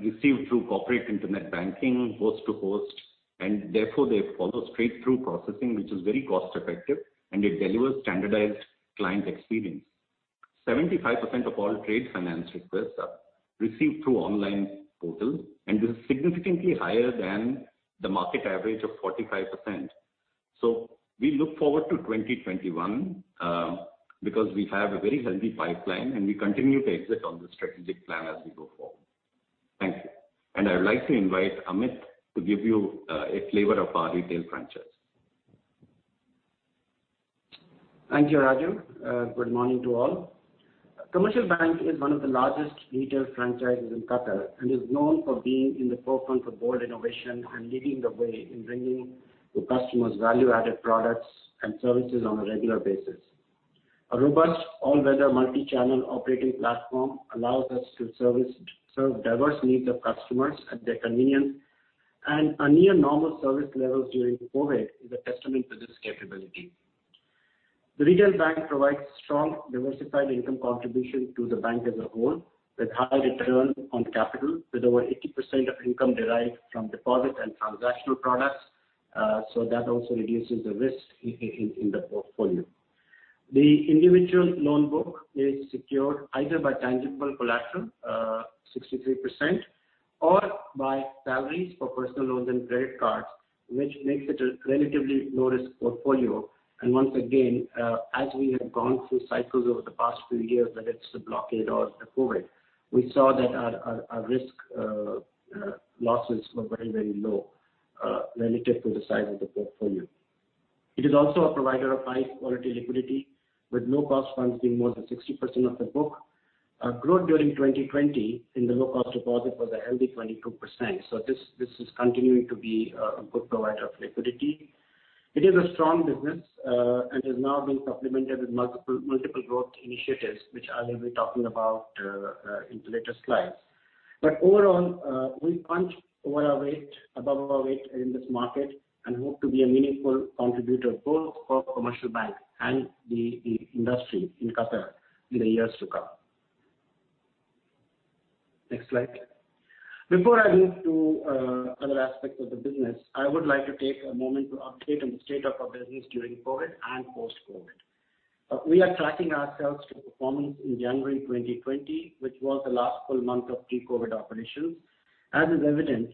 received through corporate internet banking host-to-host, and therefore they follow straight through processing, which is very cost effective, and it delivers standardized client experience. 75% of all trade finance requests are received through online portal, and this is significantly higher than the market average of 45%. We look forward to 2021, because we have a very healthy pipeline, and we continue to execute on the strategic plan as we go forward. Thank you. I would like to invite Amit to give you a flavor of our retail franchise. Thank you, Raju. Good morning to all. Commercial Bank is one of the largest retail franchises in Qatar and is known for being in the forefront of bold innovation and leading the way in bringing the customers value-added products and services on a regular basis. A robust all-weather multi-channel operating platform allows us to serve diverse needs of customers at their convenience, and our near-normal service levels during COVID is a testament to this capability. The retail bank provides strong, diversified income contribution to the bank as a whole, with high return on capital, with over 80% of income derived from deposit and transactional products. That also reduces the risk in the portfolio. The individual loan book is secured either by tangible collateral, 63%, or by salaries for personal loans and credit cards, which makes it a relatively low-risk portfolio. Once again, as we have gone through cycles over the past few years, whether it's the blockade or the COVID, we saw that our risk losses were very, very low, relative to the size of the portfolio. It is also a provider of high-quality liquidity, with low-cost funds being more than 60% of the book. Growth during 2020 in the low-cost deposit was a healthy 22%. This is continuing to be a good provider of liquidity. It is a strong business, and has now been supplemented with multiple growth initiatives, which I will be talking about in later slides. Overall, we punch above our weight in this market and hope to be a meaningful contributor both for Commercial Bank and the industry in Qatar in the years to come. Next slide. Before I move to other aspects of the business, I would like to take a moment to update on the state of our business during COVID and post-COVID. We are tracking ourselves to performance in January 2020, which was the last full month of pre-COVID operations. As is evident,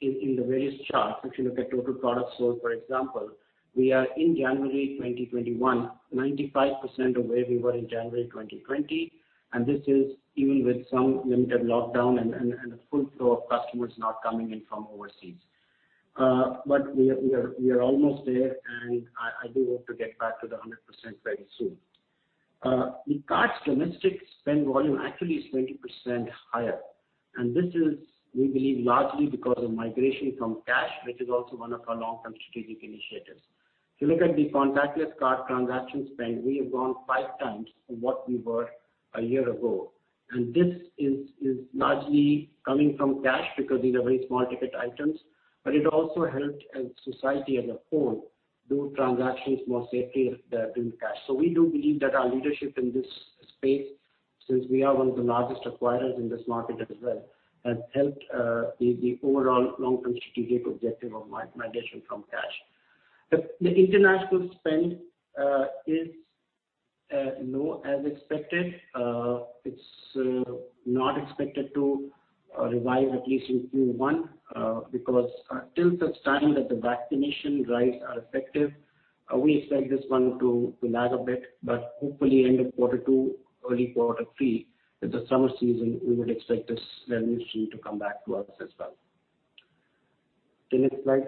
in the various charts, if you look at total products sold, for example, we are in January 2021, 95% of where we were in January 2020, and this is even with some limited lockdown and a full flow of customers not coming in from overseas. We are almost there, and I do hope to get back to the 100% very soon. The cards domestic spend volume actually is 20% higher, and this is, we believe, largely because of migration from cash, which is also one of our long-term strategic initiatives. If you look at the contactless card transaction spend, we have grown five times from what we were a year ago, and this is largely coming from cash because these are very small-ticket items, but it also helped as society as a whole do transactions more safely than doing cash. We do believe that our leadership in this space, since we are one of the largest acquirers in this market as well, has helped the overall long-term strategic objective of migration from cash. The international spend is low as expected. It is not expected to revive at least in Q1, because until such time that the vaccination drives are effective, we expect this one to lag a bit. Hopefully end of quarter 2, early quarter 3, with the summer season, we would expect this revenue stream to come back to us as well. The next slide.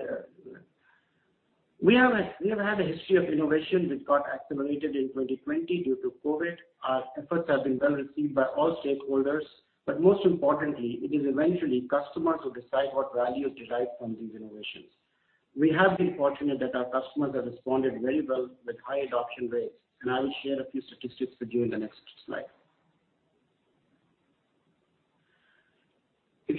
We have had a history of innovation which got accelerated in 2020 due to COVID. Our efforts have been well received by all stakeholders, but most importantly, it is eventually customers who decide what value is derived from these innovations. We have been fortunate that our customers have responded very well with high adoption rates, and I will share a few statistics with you in the next slide.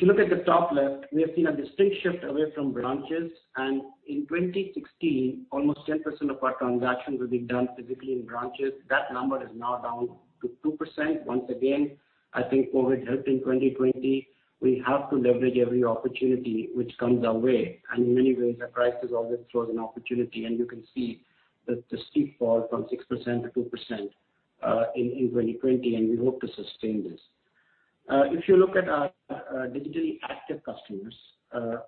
If you look at the top left, we have seen a distinct shift away from branches, and in 2016, almost 10% of our transactions were being done physically in branches. That number is now down to 2%. Once again, I think COVID helped in 2020. We have to leverage every opportunity which comes our way, and in many ways, a crisis always throws an opportunity, and you can see the steep fall from 6% to 2% in 2020, and we hope to sustain this. If you look at our digitally active customers,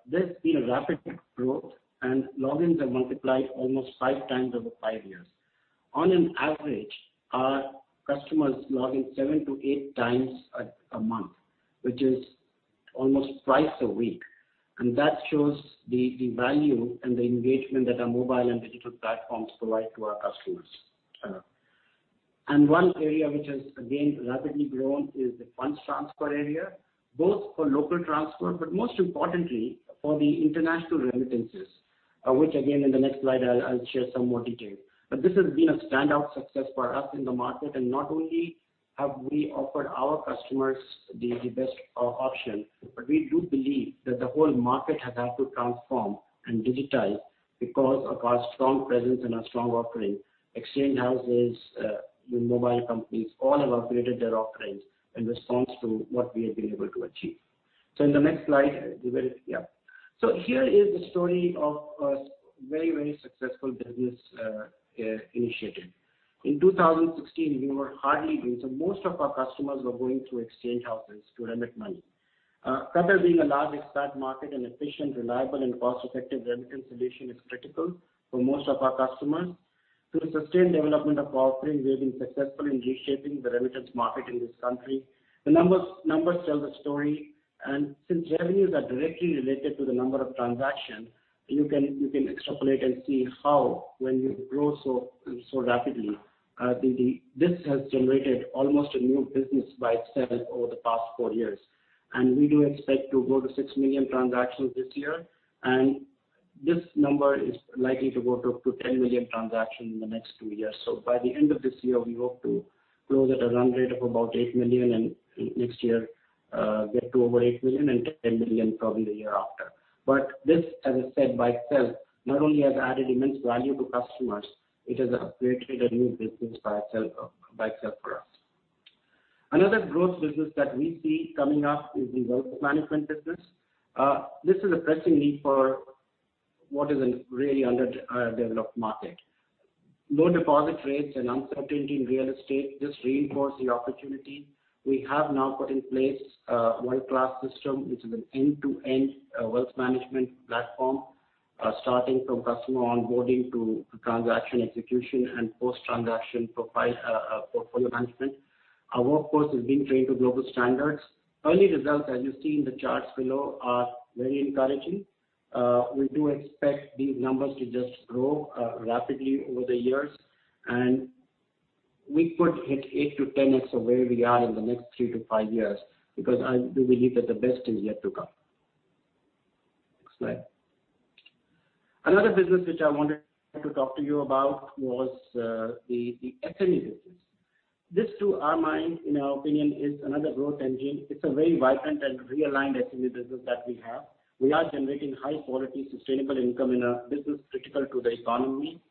there has been a rapid growth, and logins have multiplied almost five times over five years. On an average, our customers log in seven to eight times a month, which is almost twice a week. That shows the value and the engagement that our mobile and digital platforms provide to our customers. One area which has again rapidly grown is the funds transfer area, both for local transfer, but most importantly for the international remittances, which again, in the next slide, I will share some more detail. This has been a standout success for us in the market. Not only have we offered our customers the best option, but we do believe that the whole market has had to transform and digitize because of our strong presence and our strong offering. Exchange houses, new mobile companies, all have upgraded their offerings in response to what we have been able to achieve. In the next slide, Yeah. Here is the story of a very successful business initiative. In 2016, most of our customers were going through exchange houses to remit money. Qatar being a large expat market, an efficient, reliable, and cost-effective remittance solution is critical for most of our customers. Through the sustained development of offerings, we have been successful in reshaping the remittance market in this country. The numbers tell the story. Since revenues are directly related to the number of transactions, you can extrapolate and see how when you grow so rapidly, this has generated almost a new business by itself over the past four years. We do expect to go to 6 million transactions this year. This number is likely to go up to 10 million transactions in the next two years. By the end of this year, we hope to grow at a run rate of about 8 million, and next year, get to over 8 million and 10 million probably the year after. This, as I said, by itself, not only has added immense value to customers, it has created a new business by itself for us. Another growth business that we see coming up is the wealth management business. This is a pressing need for what is a really underdeveloped market. Low deposit rates and uncertainty in real estate just reinforce the opportunity. We have now put in place a world-class system, which is an end-to-end wealth management platform, starting from customer onboarding to transaction execution and post-transaction portfolio management. Our workforce has been trained to global standards. Early results, as you see in the charts below, are very encouraging. We do expect these numbers to just grow rapidly over the years, and we could hit 8x to 10x of where we are in the next three to five years, because I do believe that the best is yet to come. Next slide. Another business which I wanted to talk to you about was the SME business. This, to our mind, in our opinion, is another growth engine. It's a very vibrant and realigned SME business that we have. We are generating high-quality, sustainable income in a business critical to the economy.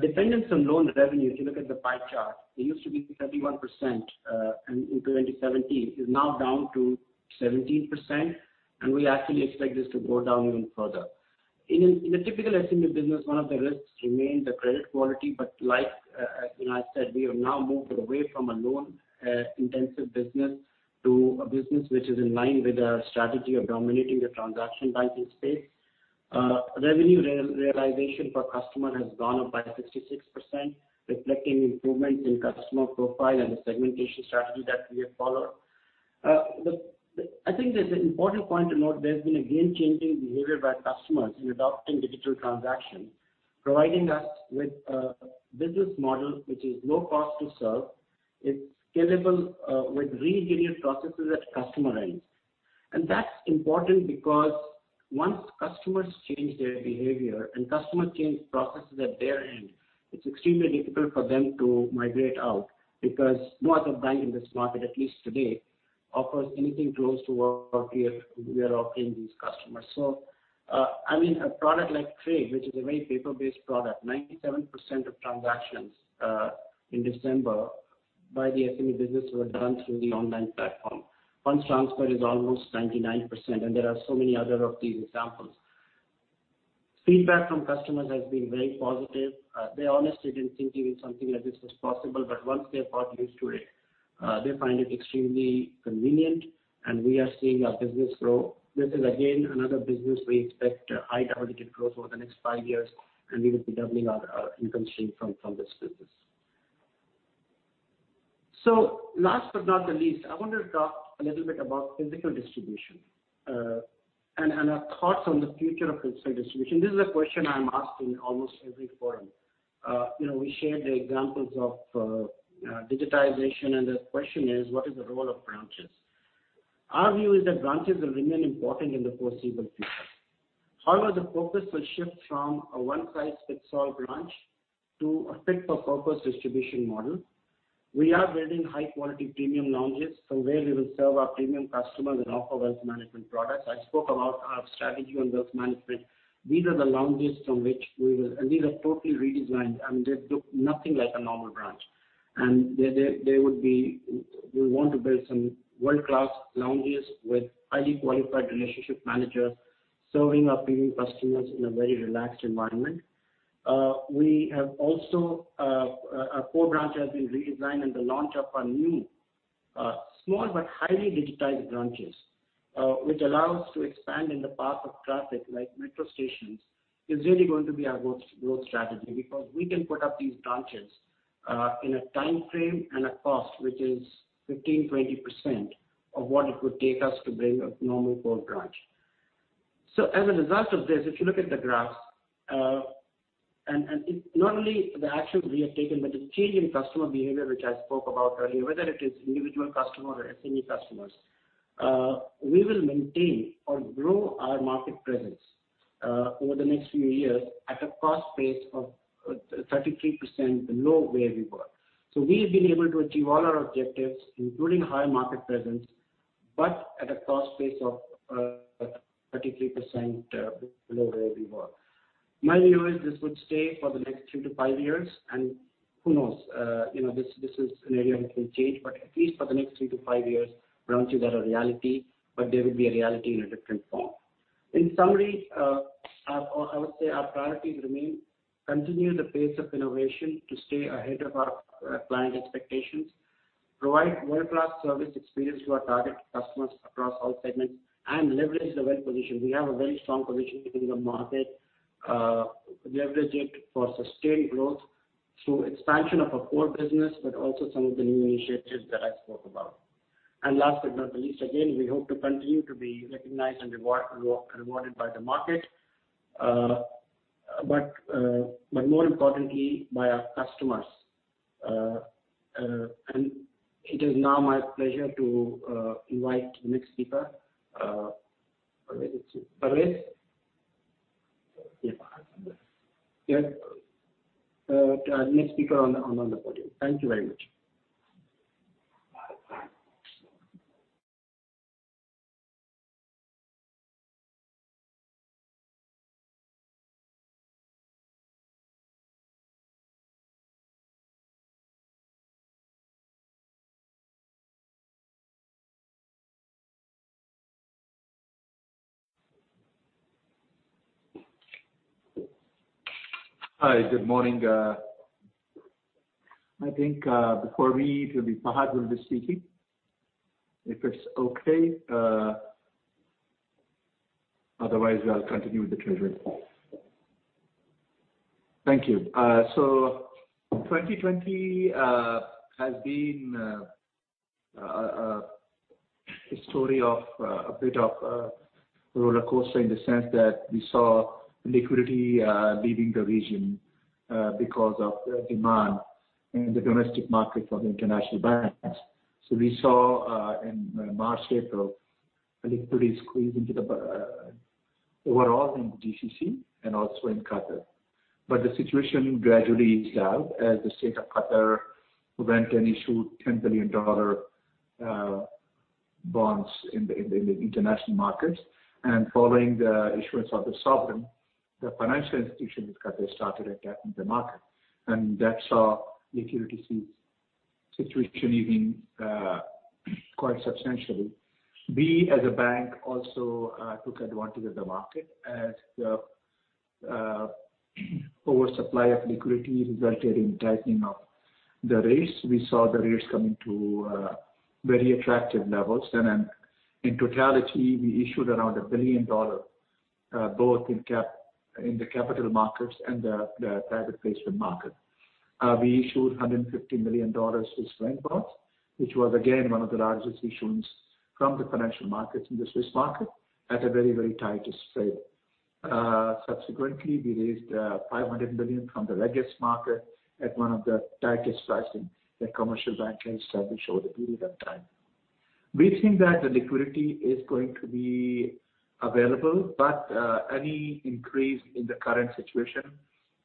Dependence on loan revenue, if you look at the pie chart, it used to be 71% in 2017. It's now down to 17%, and we actually expect this to go down even further. In a typical SME business, one of the risks remains the credit quality. Like, as I said, we have now moved away from a loan-intensive business to a business which is in line with our strategy of dominating the transaction banking space. Revenue realization per customer has gone up by 66%, reflecting improvements in customer profile and the segmentation strategy that we have followed. I think there's an important point to note. There's been a game-changing behavior by customers in adopting digital transactions, providing us with a business model which is low cost to serve. It's scalable with really resilient processes at customer end. That's important because once customers change their behavior and customers change processes at their end, it's extremely difficult for them to migrate out because no other bank in this market, at least today, offers anything close to what we are offering these customers. I mean, a product like Trade, which is a very paper-based product, 97% of transactions in December by the SME business were done through the online platform. Funds transfer is almost 99%, and there are so many other of these examples. Feedback from customers has been very positive. They honestly didn't think even something like this was possible, but once they have got used to it, they find it extremely convenient, and we are seeing our business grow. This is again another business we expect high double-digit growth over the next five years, and we will be doubling our income stream from this business. Last but not the least, I want to talk a little bit about physical distribution, and our thoughts on the future of physical distribution. This is a question I am asked in almost every forum. We shared the examples of digitization, and the question is, what is the role of branches? Our view is that branches will remain important in the foreseeable future. However, the focus will shift from a one-size-fits-all branch to a fit-for-purpose distribution model. We are building high-quality premium lounges from where we will serve our premium customers and offer wealth management products. I spoke about our strategy on wealth management. These are the lounges from which we will. These are totally redesigned, and they look nothing like a normal branch. We want to build some world-class lounges with highly qualified relationship managers serving our premium customers in a very relaxed environment. We have also, our core branch has been redesigned and the launch of our new, small but highly digitized branches, which allow us to expand in the path of traffic like metro stations, is really going to be our growth strategy because we can put up these branches in a timeframe and a cost which is 15%-20% of what it would take us to build a normal core branch. As a result of this, if you look at the graphs, and not only the actions we have taken, but the change in customer behavior, which I spoke about earlier, whether it is individual customer or SME customers, we will maintain or grow our market presence, over the next few years at a cost base of 33% below where we were. We have been able to achieve all our objectives, including higher market presence, but at a cost base of 33% below where we were. My view is this would stay for the next three to five years, and who knows, this is an area which will change, but at least for the next three to five years, branches are a reality, but they will be a reality in a different form. In summary, I would say our priorities remain continue the pace of innovation to stay ahead of our client expectations, provide world-class service experience to our target customers across all segments, and leverage the right position. We have a very strong position within the market, leverage it for sustained growth through expansion of our core business, but also some of the new initiatives that I spoke about. Last but not the least, again, we hope to continue to be recognized and rewarded by the market, but more importantly by our customers. It is now my pleasure to invite next speaker. Where is it? Faris. Yeah. The next speaker on the podium. Thank you very much. Hi. Good morning. I think, before me, it will be Fahad will be speaking, if it's okay. Otherwise, I'll continue with the treasury. Thank you. 2020 has been a story of a bit of a rollercoaster in the sense that we saw liquidity leaving the region because of the demand in the domestic market for the international banks. We saw, in March, April, liquidity squeeze overall in GCC and also in Qatar. The situation gradually eased out as the State of Qatar went and issued $10 billion bonds in the international markets. Following the issuance of the sovereign, the financial institution in Qatar started adapting the market, and that saw liquidity situation easing quite substantially. We as a bank also took advantage of the market as the oversupply of liquidity resulted in tightening of the rates. We saw the rates coming to very attractive levels. In totality, we issued around $1 billion, both in the capital markets and the private placement market. We issued $150 million Swiss franc bonds, which was again, one of the largest issuance from the financial markets in the Swiss market at a very, very tightest rate. Subsequently, we raised $500 million from the Reg S market at one of the tightest pricing that The Commercial Bank has ever showed a period of time. We think that the liquidity is going to be available, any increase in the current situation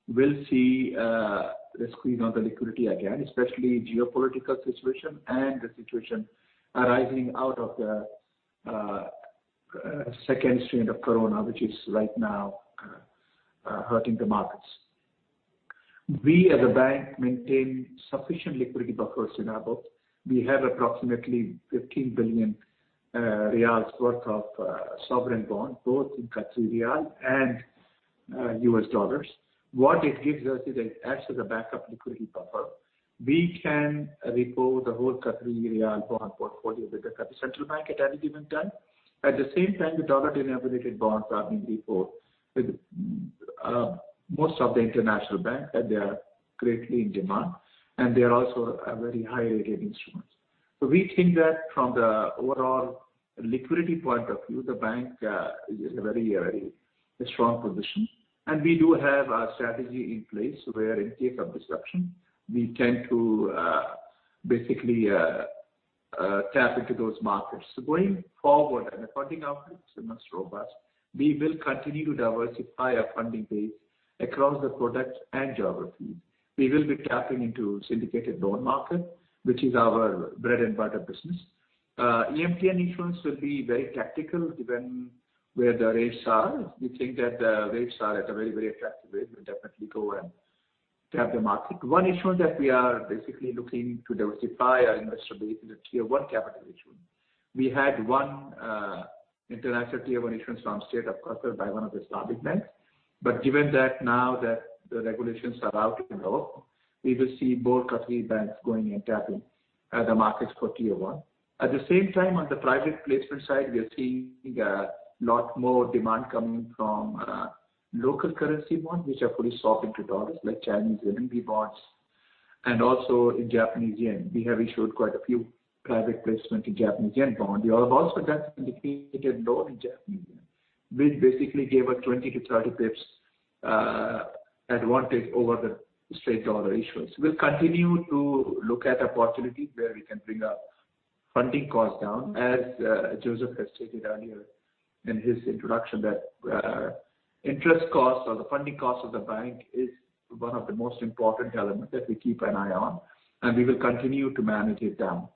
will see the squeeze on the liquidity again, especially geopolitical situation and the situation arising out of the second strain of COVID, which is right now hurting the markets. We as a bank maintain sufficient liquidity buffers in our book. We have approximately 15 billion riyals worth of sovereign bond, both in Qatari riyal and US dollars. What it gives us is it acts as a backup liquidity buffer. We can repo the whole Qatari riyal bond portfolio with the Qatar Central Bank at any given time. At the same time, the dollar-denominated bonds are being repoed with most of the international banks, and they are greatly in demand, and they are also a very high-rated instruments. We think that from the overall liquidity point of view, the bank is in a very strong position. We do have a strategy in place where in case of disruption, we tend to basically tap into those markets. Going forward and according our most robust, we will continue to diversify our funding base across the product and geography. We will be tapping into syndicated loan market, which is our bread and butter business. EMTN issuance will be very tactical depending where the rates are. We think that the rates are at a very, very attractive rate, we'll definitely go Tap the market. One issue that we are basically looking to diversify our investor base is the Tier-1 capital issue. We had one international Tier-1 issuance from State of Qatar by one of the Islamic banks. Given that now that the regulations are out in law, we will see both Qatar banks going and tapping the markets for Tier-1. At the same time, on the private placement side, we are seeing a lot more demand coming from local currency bonds, which are fully swapped into dollars, like Chinese renminbi bonds and also in Japanese yen. We have issued quite a few private placement in Japanese yen bond. We have also done syndicated loan in Japanese yen, which basically gave a 20 to 30 basis points advantage over the straight dollar issuance. We will continue to look at opportunities where we can bring our funding cost down. As Joseph has stated earlier in his introduction, that interest cost or the funding cost of the bank is one of the most important element that we keep an eye on, and we will continue to manage it down.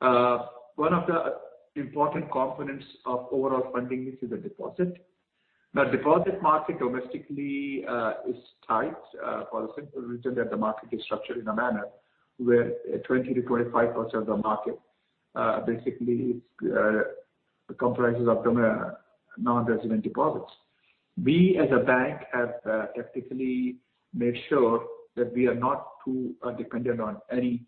One of the important components of overall funding mix is the deposit. The deposit market domestically is tight for the simple reason that the market is structured in a manner where 20%-25% of the market basically comprises of non-resident deposits. We, as a bank, have tactically made sure that we are not too dependent on any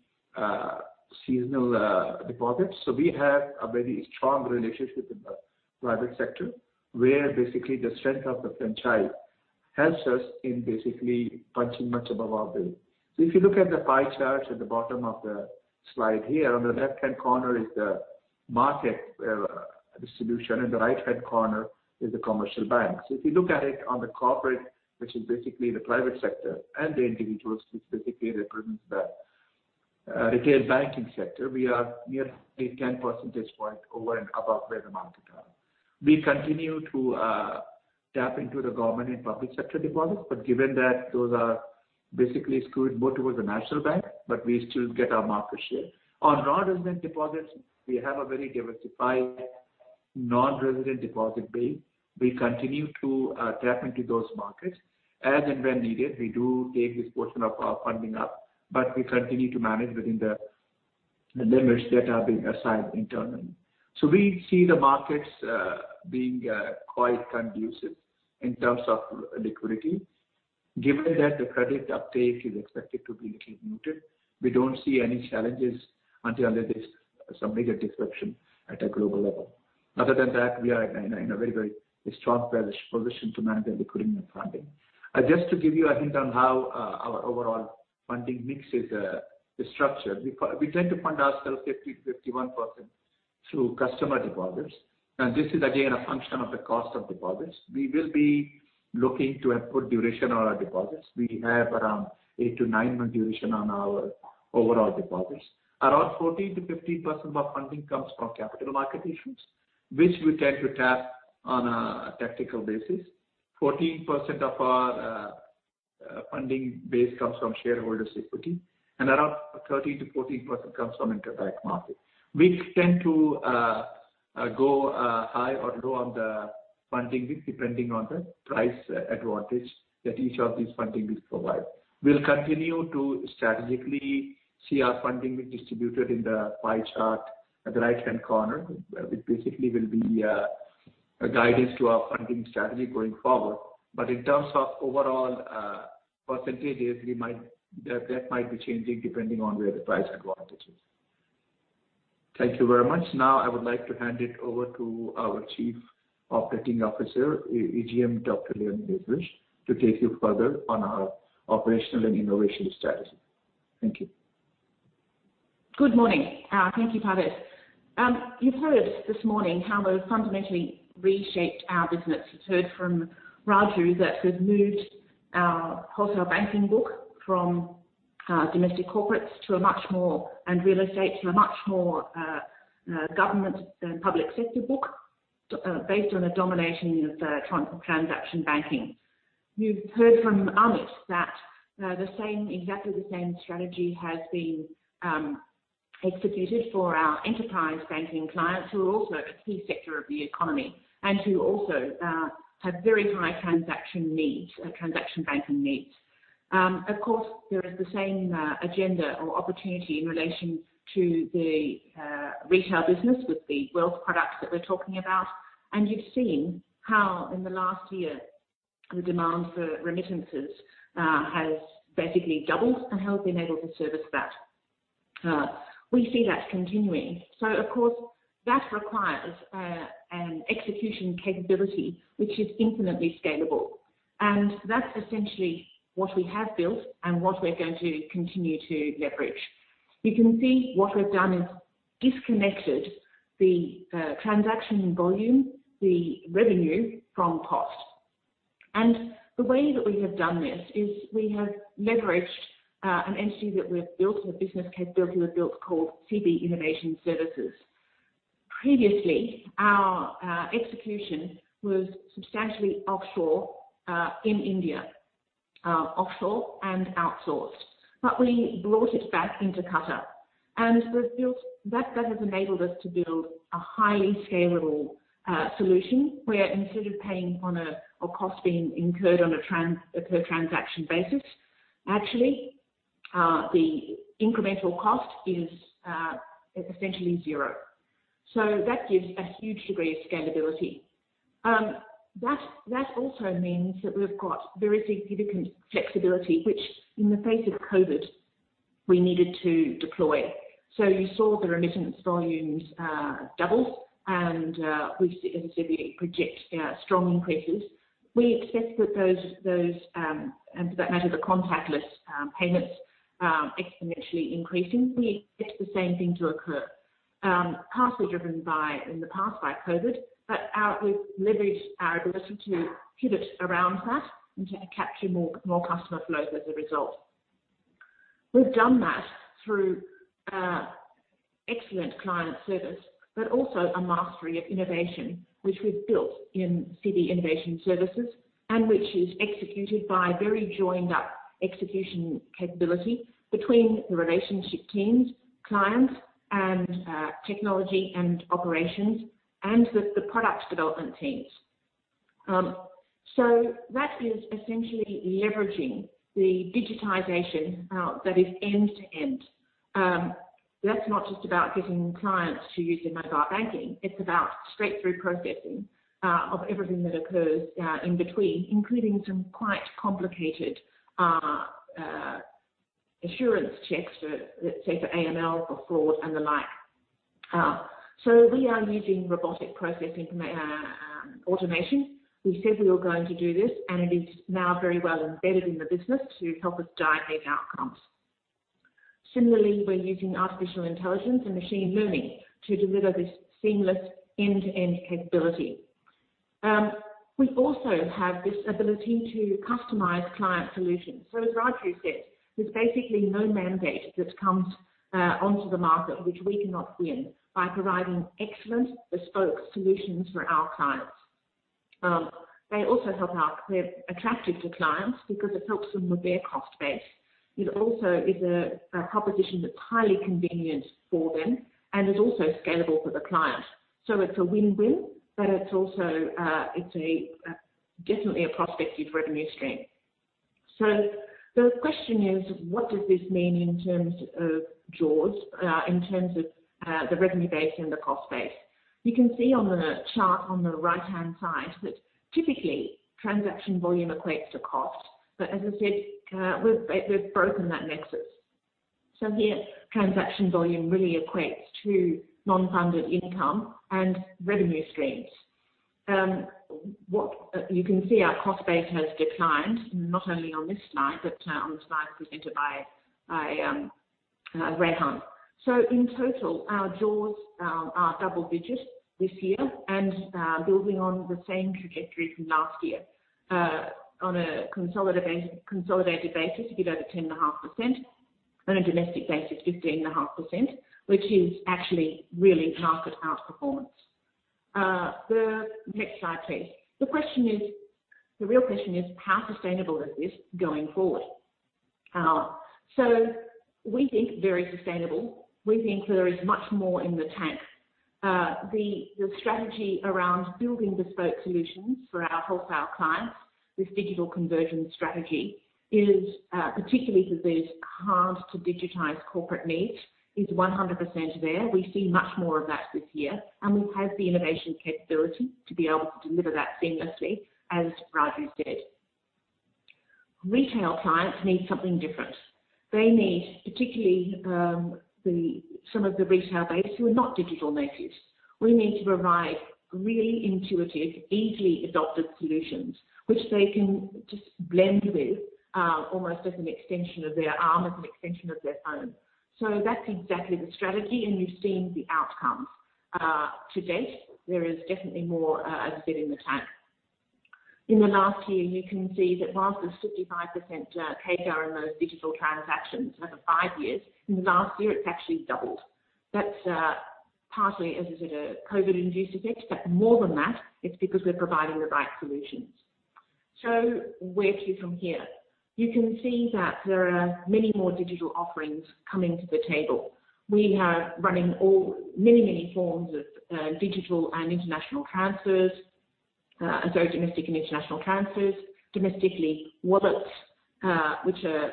seasonal deposits. We have a very strong relationship with the private sector, where basically the strength of the franchise helps us in basically punching much above our weight. If you look at the pie charts at the bottom of the slide here, on the left-hand corner is the market distribution, and the right-hand corner is The Commercial Bank's. If you look at it on the corporate, which is basically the private sector and the individuals, which basically represents the retail banking sector. We are nearly 10 percentage points over and above where the market is. We continue to tap into the government and public sector deposits, given that those are basically skewed more towards the Qatar National Bank, but we still get our market share. On non-resident deposits, we have a very diversified non-resident deposit base. We continue to tap into those markets. As and when needed, we do take this portion of our funding up, but we continue to manage within the limits that are being assigned internally. We see the markets being quite conducive in terms of liquidity. Given that the credit uptake is expected to be little muted, we don't see any challenges until there's some major disruption at a global level. Other than that, we are in a very, very strong position to manage the liquidity and funding. Just to give you a hint on how our overall funding mix is structured, we tend to fund ourselves 50%-51% through customer deposits, and this is again, a function of the cost of deposits. We will be looking to have good duration on our deposits. We have around eight to nine-month duration on our overall deposits. Around 14%-15% of our funding comes from capital market issuance, which we tend to tap on a tactical basis. 14% of our funding base comes from shareholders' equity, and around 13%-14% comes from interbank market, which tend to go high or low on the funding mix depending on the price advantage that each of these funding mix provide. We will continue to strategically see our funding mix distributed in the pie chart at the right-hand corner, which basically will be a guidance to our funding strategy going forward. In terms of overall percentages, that might be changing depending on where the price advantage is. Thank you very much. Now I would like to hand it over to our Chief Operating Officer, AGM Leonie Lethbridge, to take you further on our operational and innovation strategies. Thank you. Good morning. Thank you, Parvez. You've heard this morning how we've fundamentally reshaped our business. You've heard from Raju that we've moved our wholesale banking book from domestic corporates to a much more, and real estate, to a much more government and public sector book based on a domination of transaction banking. You've heard from Amit that exactly the same strategy has been executed for our enterprise banking clients, who are also a key sector of the economy and who also have very high transaction needs, transaction banking needs. Of course, there is the same agenda or opportunity in relation to the retail business with the wealth products that we're talking about. You've seen how in the last year, the demand for remittances has basically doubled and how we've been able to service that. We see that continuing. Of course, that requires an execution capability which is infinitely scalable. That's essentially what we have built and what we're going to continue to leverage. You can see what we've done is disconnected the transaction volume, the revenue from cost. The way that we have done this is we have leveraged an entity that we've built, a business capability we've built called CB Innovation Services. Previously, our execution was substantially offshore in India, offshore and outsourced. We brought it back into Qatar. That has enabled us to build a highly scalable solution, where instead of paying on a, or cost being incurred on a per transaction basis, actually, the incremental cost is essentially zero. That gives a huge degree of scalability. That also means that we've got very significant flexibility, which in the face of COVID, we needed to deploy. You saw the remittance volumes double. We project strong increases. We expect that those, and for that matter, the contactless payments exponentially increasing, we expect the same thing to occur. Partly driven in the past by COVID, we've leveraged our ability to pivot around that and to capture more customer flows as a result. We've done that through excellent client service, but also a mastery of innovation, which we've built in CB Innovation Services and which is executed by a very joined-up execution capability between the relationship teams, clients, and technology and operations, and the products development teams. That is essentially leveraging the digitization that is end-to-end. That's not just about getting clients to use their mobile banking, it's about straight-through processing of everything that occurs in between, including some quite complicated assurance checks, let's say, for AML, for fraud, and the like. We are using robotic process automation. We said we were going to do this, and it is now very well embedded in the business to help us drive these outcomes. Similarly, we're using artificial intelligence and machine learning to deliver this seamless end-to-end capability. We also have this ability to customize client solutions. As Raju said, there's basically no mandate that comes onto the market which we cannot be in by providing excellent bespoke solutions for our clients. They also help out. We're attractive to clients because it helps them with their cost base. It also is a proposition that's highly convenient for them and is also scalable for the client. It's a win-win, but it's definitely a prospective revenue stream. The question is, what does this mean in terms of jaws, in terms of the revenue base and the cost base? You can see on the chart on the right-hand side that typically transaction volume equates to cost. As I said, we've broken that nexus. Here, transaction volume really equates to non-funded income and revenue streams. You can see our cost base has declined, not only on this slide, but on the slide presented by Rehan. In total, our jaws are double digits this year and building on the same trajectory from last year. On a consolidated basis, a bit over 10.5%. On a domestic basis, 15.5%, which is actually really market outperformance. The next slide, please. The real question is, how sustainable is this going forward? We think very sustainable. We think there is much more in the tank. The strategy around building bespoke solutions for our wholesale clients, this digital conversion strategy, particularly for those hard-to-digitize corporate needs, is 100% there. We see much more of that this year. We have the innovation capability to be able to deliver that seamlessly, as Raju said. Retail clients need something different. They need, particularly some of the retail base who are not digital natives, we need to provide really intuitive, easily adopted solutions which they can just blend with, almost as an extension of their arm, as an extension of their phone. That's exactly the strategy, and you've seen the outcomes to date. There is definitely more, as I said, in the tank. In the last year, you can see that whilst the 55% CAGR in those digital transactions over five years, in the last year, it's actually doubled. That's partly, as I said, a COVID-induced effect, more than that, it's because we're providing the right solutions. Where to from here? You can see that there are many more digital offerings coming to the table. We are running many, many forms of digital and international transfers, domestic and international transfers. Domestically, wallets, which are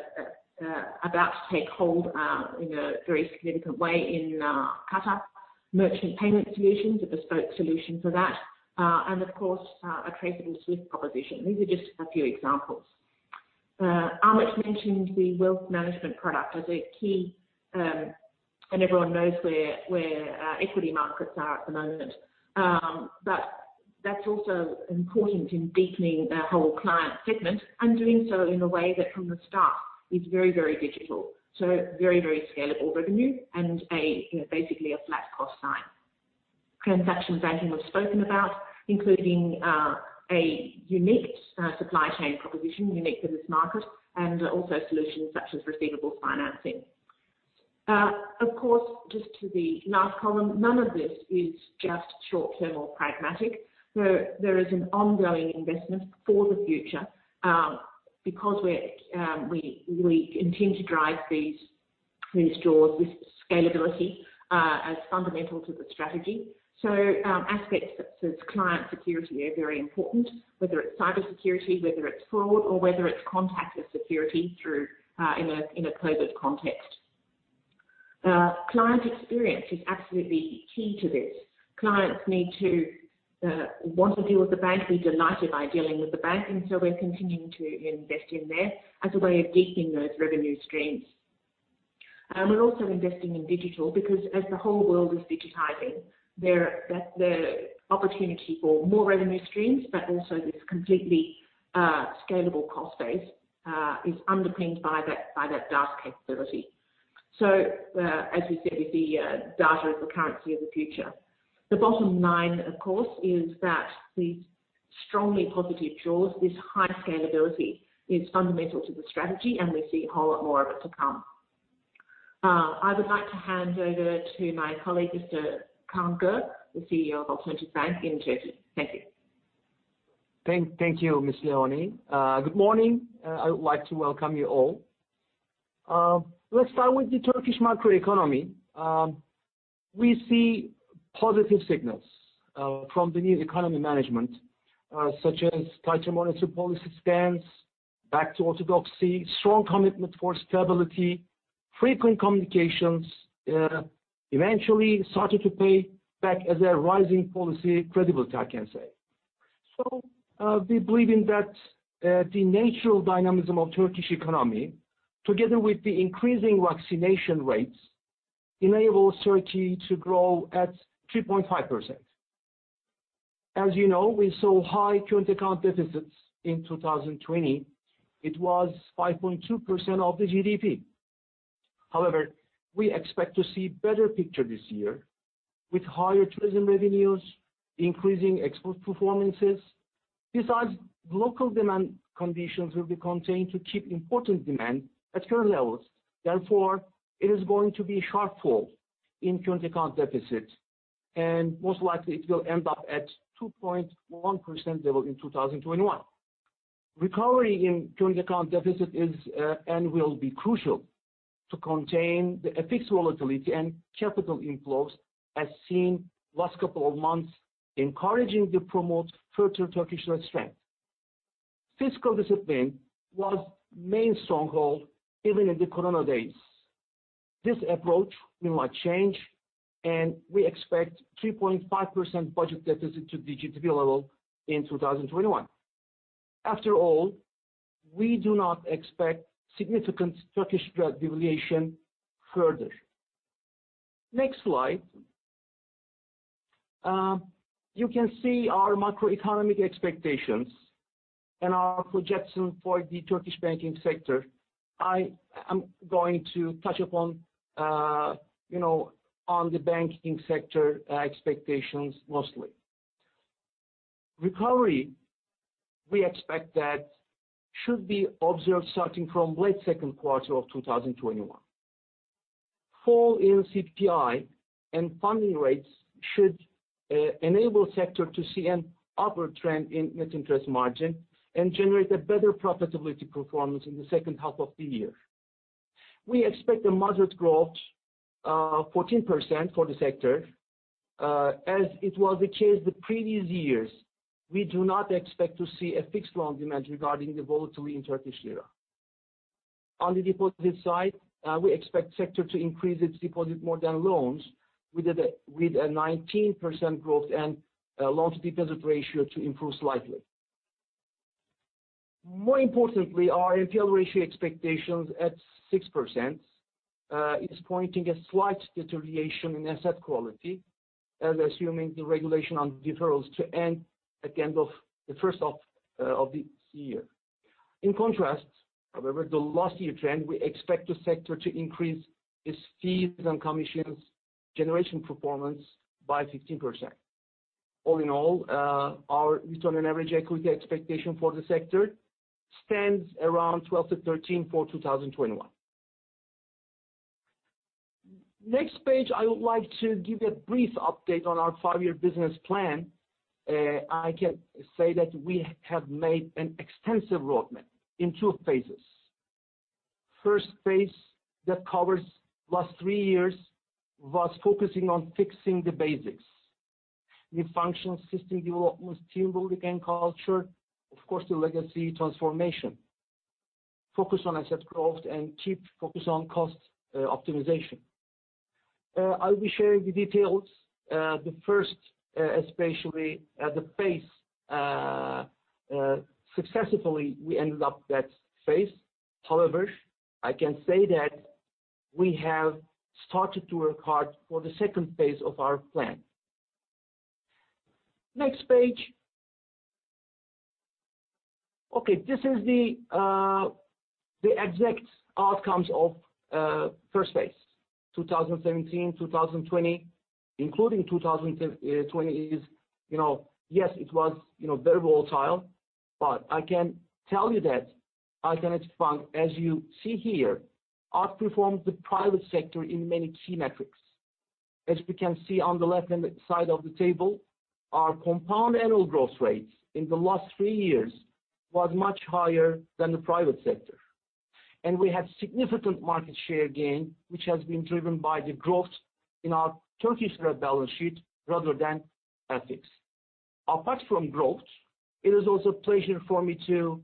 about to take hold in a very significant way in Qatar. Merchant payment solutions, a bespoke solution for that. Of course, a trade and swift proposition. These are just a few examples. Amit mentioned the wealth management product as a key. Everyone knows where equity markets are at the moment. That's also important in deepening that whole client segment and doing so in a way that from the start is very, very digital. Very, very scalable revenue and basically a flat cost sign. Transaction banking was spoken about, including a unique supply chain proposition, unique for this market, also solutions such as receivables financing. Of course, just to the last column, none of this is just short-term or pragmatic. There is an ongoing investment for the future. Because we intend to drive these stores with scalability as fundamental to the strategy. Aspects such as client security are very important, whether it's cybersecurity, whether it's fraud, or whether it's contactless security through in a COVID context. Client experience is absolutely key to this. Clients need to want to deal with the bank, be delighted by dealing with the bank. We're continuing to invest in there as a way of deepening those revenue streams. We're also investing in digital because as the whole world is digitizing, there's the opportunity for more revenue streams, also this completely scalable cost base is underpinned by that DaaS capability. As we said, we see data as the currency of the future. The bottom line, of course, is that these strongly positive draws, this high scalability is fundamental to the strategy. We see a whole lot more of it to come. I would like to hand over to my colleague, Mr. Kaan Gür, the CEO of Alternatif Bank in Turkey. Thank you. Thank you, Ms. Leonie. Good morning. I would like to welcome you all. Let's start with the Turkish macro economy. We see positive signals from the new economy management, such as tighter monetary policy stance, back to orthodoxy, strong commitment for stability, frequent communications eventually started to pay back as a rising policy credibility, I can say. We believe in that the natural dynamism of Turkish economy, together with the increasing vaccination rates, enables Turkey to grow at 3.5%. As you know, we saw high current account deficits in 2020. It was 5.2% of the GDP. However, we expect to see better picture this year with higher tourism revenues, increasing export performances. Besides, local demand conditions will be contained to keep important demand at current levels. Therefore, it is going to be shortfall in current account deficits. Most likely it will end up at 2.1% level in 2021. Recovery in current account deficit is and will be crucial to contain the FX volatility and capital inflows as seen last couple of months, encouraging to promote further Turkish lira strength. Fiscal discipline was main stronghold even in the corona days. This approach will not change. We expect 3.5% budget deficit to GDP level in 2021. After all, we do not expect significant Turkish lira devaluation further. Next slide. You can see our macroeconomic expectations and our projection for the Turkish banking sector. I am going to touch upon on the banking sector expectations mostly. Recovery, we expect that should be observed starting from late second quarter of 2021. Fall in CPI and funding rates should enable sector to see an upward trend in net interest margin and generate a better profitability performance in the second half of the year. We expect a moderate growth, 14% for the sector. As it was the case the previous years, we do not expect to see a fixed loan demand regarding the volatility in Turkish lira. On the deposit side, we expect sector to increase its deposit more than loans with a 19% growth and loan to deposit ratio to improve slightly. More importantly, our NPL ratio expectations at 6% is pointing a slight deterioration in asset quality as assuming the regulation on deferrals to end at the end of the first half of this year. In contrast, however, the last year trend, we expect the sector to increase its fees and commissions generation performance by 16%. All in all, our return on average equity expectation for the sector stands around 12%-13% for 2021. Next page, I would like to give a brief update on our five-year business plan. I can say that we have made an extensive roadmap in two phases. First phase that covers last three years was focusing on fixing the basics. New function, system development, team building and culture, of course, the legacy transformation. Focus on asset growth and keep focus on cost optimization. I'll be sharing the details, the first especially at the phase. Successfully, we ended up that phase. However, I can say that we have started to work hard for the second phase of our plan. Next page. Okay, this is the exact outcomes of first phase, 2017, 2020, including 2020 is yes, it was very volatile, but I can tell you that Alternatif Bank, as you see here, outperformed the private sector in many key metrics. As we can see on the left-hand side of the table, our compound annual growth rates in the last three years was much higher than the private sector. We had significant market share gain, which has been driven by the growth in our Turkish lira balance sheet, rather than FX. Apart from growth, it is also a pleasure for me to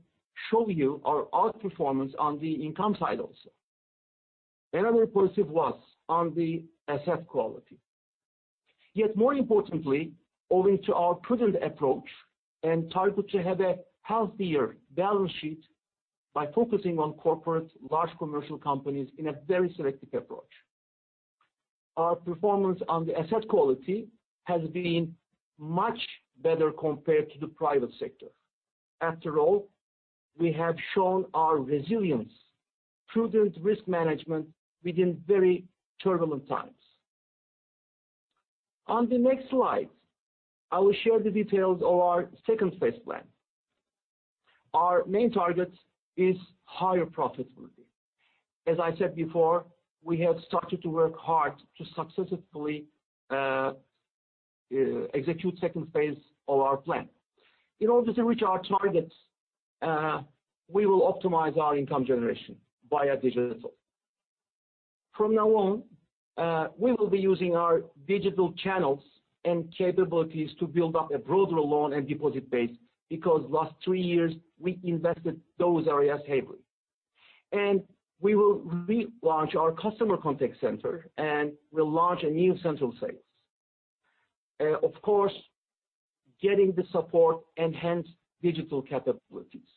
show you our outperformance on the income side also. Another positive was on the asset quality. Yet more importantly, owing to our prudent approach and target to have a healthier balance sheet by focusing on corporate large commercial companies in a very selective approach. Our performance on the asset quality has been much better compared to the private sector. After all, we have shown our resilience, prudent risk management within very turbulent times. On the next slide, I will share the details of our second phase plan. Our main target is higher profitability. As I said before, we have started to work hard to successfully execute second phase of our plan. In order to reach our targets, we will optimize our income generation via digital. From now on, we will be using our digital channels and capabilities to build up a broader loan and deposit base, because last three years, we invested those areas heavily. We will relaunch our customer contact center, and will launch a new central sales, of course, getting the support, enhanced digital capabilities.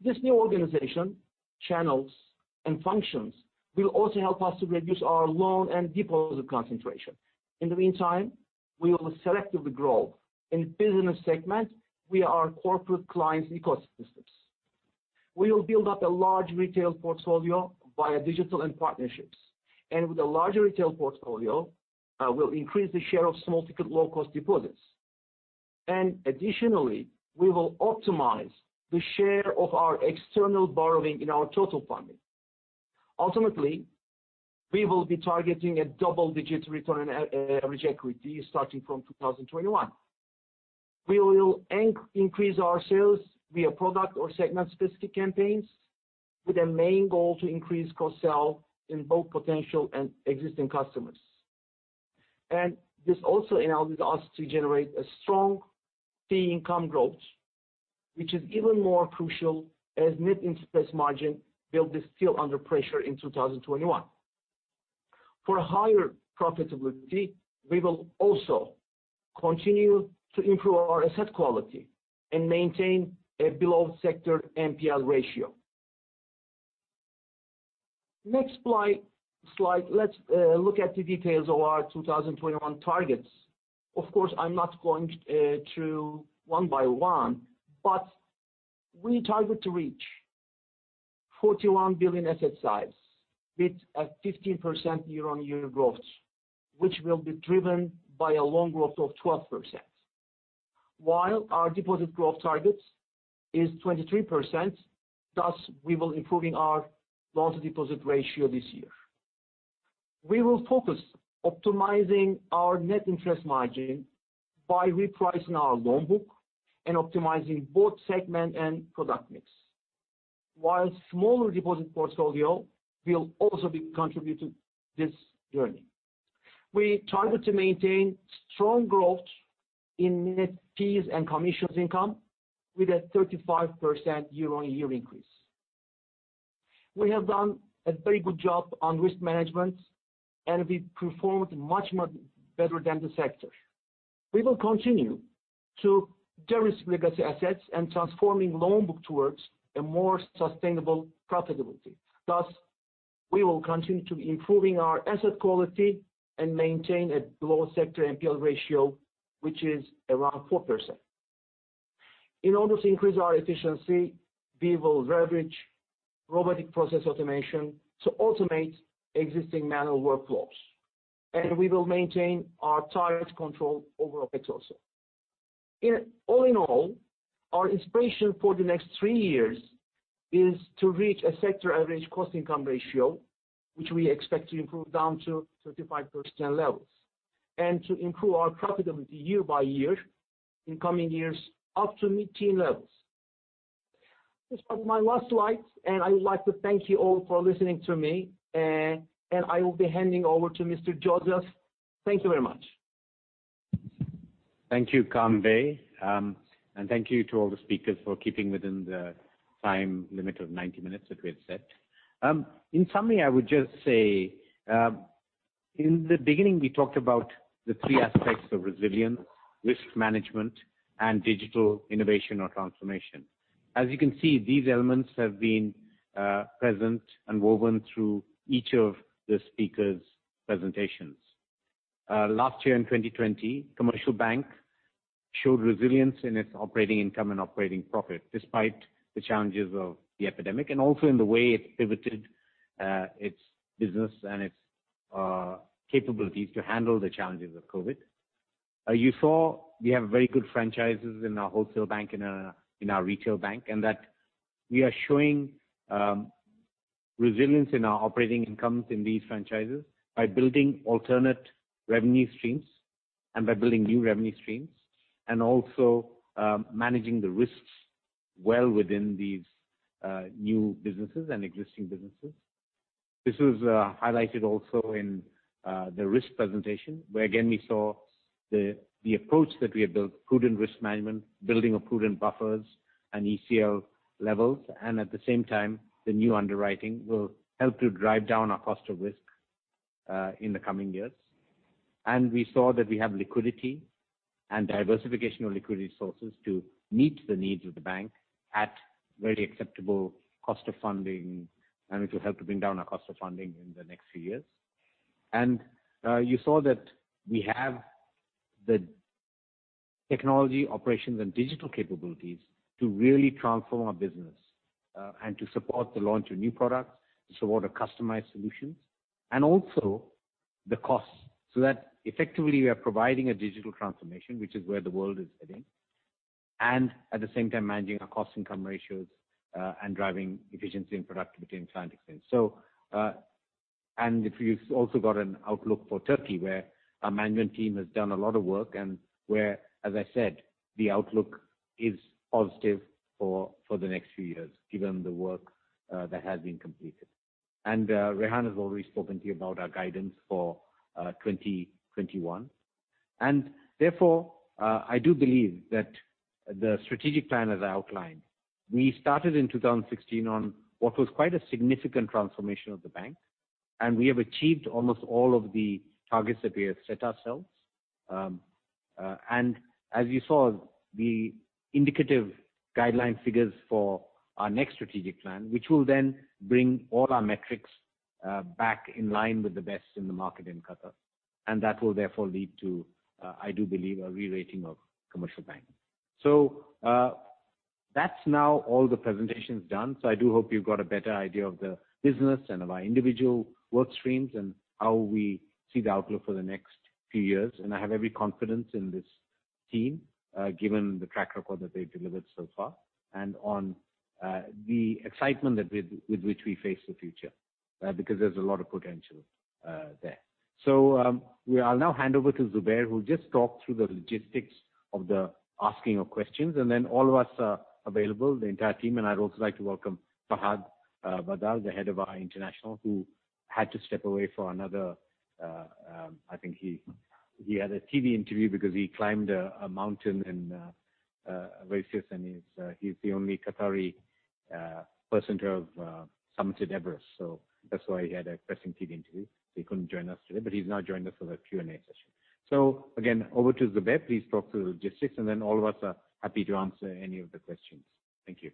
This new organization, channels, and functions, will also help us to reduce our loan and deposit concentration. In the meantime, we will selectively grow in business segment via our corporate clients' ecosystems. We will build up a large retail portfolio via digital and partnerships. With a larger retail portfolio, we will increase the share of small ticket low-cost deposits. Additionally, we will optimize the share of our external borrowing in our total funding. Ultimately, we will be targeting a double-digit return on average equity starting from 2021. We will increase our sales via product or segment-specific campaigns with a main goal to increase cross-sell in both potential and existing customers. This also enables us to generate a strong fee income growth, which is even more crucial as net interest margin will be still under pressure in 2021. For higher profitability, we will also continue to improve our asset quality and maintain a below-sector NPL ratio. Next slide, let's look at the details of our 2021 targets. Of course, I'm not going through one by one, but we target to reach 41 billion asset size with a 15% year-on-year growth, which will be driven by a loan growth of 12%, while our deposit growth target is 23%. Thus, we will improving our loans to deposit ratio this year. We will focus optimizing our net interest margin by repricing our loan book and optimizing both segment and product mix. While smaller deposit portfolio will also be contributing to this journey. We target to maintain strong growth in net fees and commissions income with a 35% year-on-year increase. We have done a very good job on risk management, and we performed much better than the sector. We will continue to de-risk legacy assets and transforming loan book towards a more sustainable profitability. Thus, we will continue to be improving our asset quality and maintain a below-sector NPL ratio, which is around 4%. In order to increase our efficiency, we will leverage robotic process automation to automate existing manual workflows, and we will maintain our tight control over OpEx also. All in all, our aspiration for the next three years is to reach a sector average cost-income ratio, which we expect to improve down to 35% levels, and to improve our profitability year by year in coming years up to mid-teen levels. This was my last slide, and I would like to thank you all for listening to me, and I will be handing over to Mr. Georges. Thank you very much. Thank you, Kamber. Thank you to all the speakers for keeping within the time limit of 90 minutes that we had set. In summary, I would just say, in the beginning, we talked about the three aspects of resilience: risk management and digital innovation or transformation. As you can see, these elements have been present and woven through each of the speakers' presentations. Last year in 2020, Commercial Bank showed resilience in its operating income and operating profit, despite the challenges of the epidemic, and also in the way it pivoted its business and its capabilities to handle the challenges of COVID. You saw we have very good franchises in our wholesale bank and in our retail bank, and that we are showing resilience in our operating incomes in these franchises by building alternate revenue streams and by building new revenue streams, and also managing the risks well within these new businesses and existing businesses. This was highlighted also in the risk presentation, where again, we saw the approach that we have built, prudent risk management, building of prudent buffers and ECL levels. At the same time, the new underwriting will help to drive down our cost of risk, in the coming years. We saw that we have liquidity and diversification of liquidity sources to meet the needs of the bank at very acceptable cost of funding, and it will help to bring down our cost of funding in the next few years. You saw that we have the technology operations and digital capabilities to really transform our business and to support the launch of new products, to support customized solutions, and also the costs. Effectively we are providing a digital transformation, which is where the world is heading, and at the same time managing our cost income ratios, and driving efficiency and productivity and client experience. You've also got an outlook for Turkey where our management team has done a lot of work and where, as I said, the outlook is positive for the next few years given the work that has been completed. Rehan has already spoken to you about our guidance for 2021. Therefore, I do believe that the strategic plan as I outlined, we started in 2016 on what was quite a significant transformation of the bank, and we have achieved almost all of the targets that we have set ourselves. As you saw, the indicative guideline figures for our next strategic plan, which will then bring all our metrics back in line with the best in the market in Qatar. That will therefore lead to, I do believe, a re-rating of Commercial Bank. That's now all the presentations done. I do hope you've got a better idea of the business and of our individual work streams and how we see the outlook for the next few years. I have every confidence in this team, given the track record that they've delivered so far and on the excitement with which we face the future, because there's a lot of potential there. I'll now hand over to Zubair, who'll just talk through the logistics of the asking of questions, and then all of us are available, the entire team. I'd also like to welcome Fahad Badar, the head of our international, who had to step away for another, I think he had a TV interview because he climbed a mountain in Everest, and he's the only Qatari person to have summited Everest. That's why he had a pressing TV interview, so he couldn't join us today, but he's now joined us for the Q&A session. Again, over to Zubair. Please talk through the logistics, and then all of us are happy to answer any of the questions. Thank you.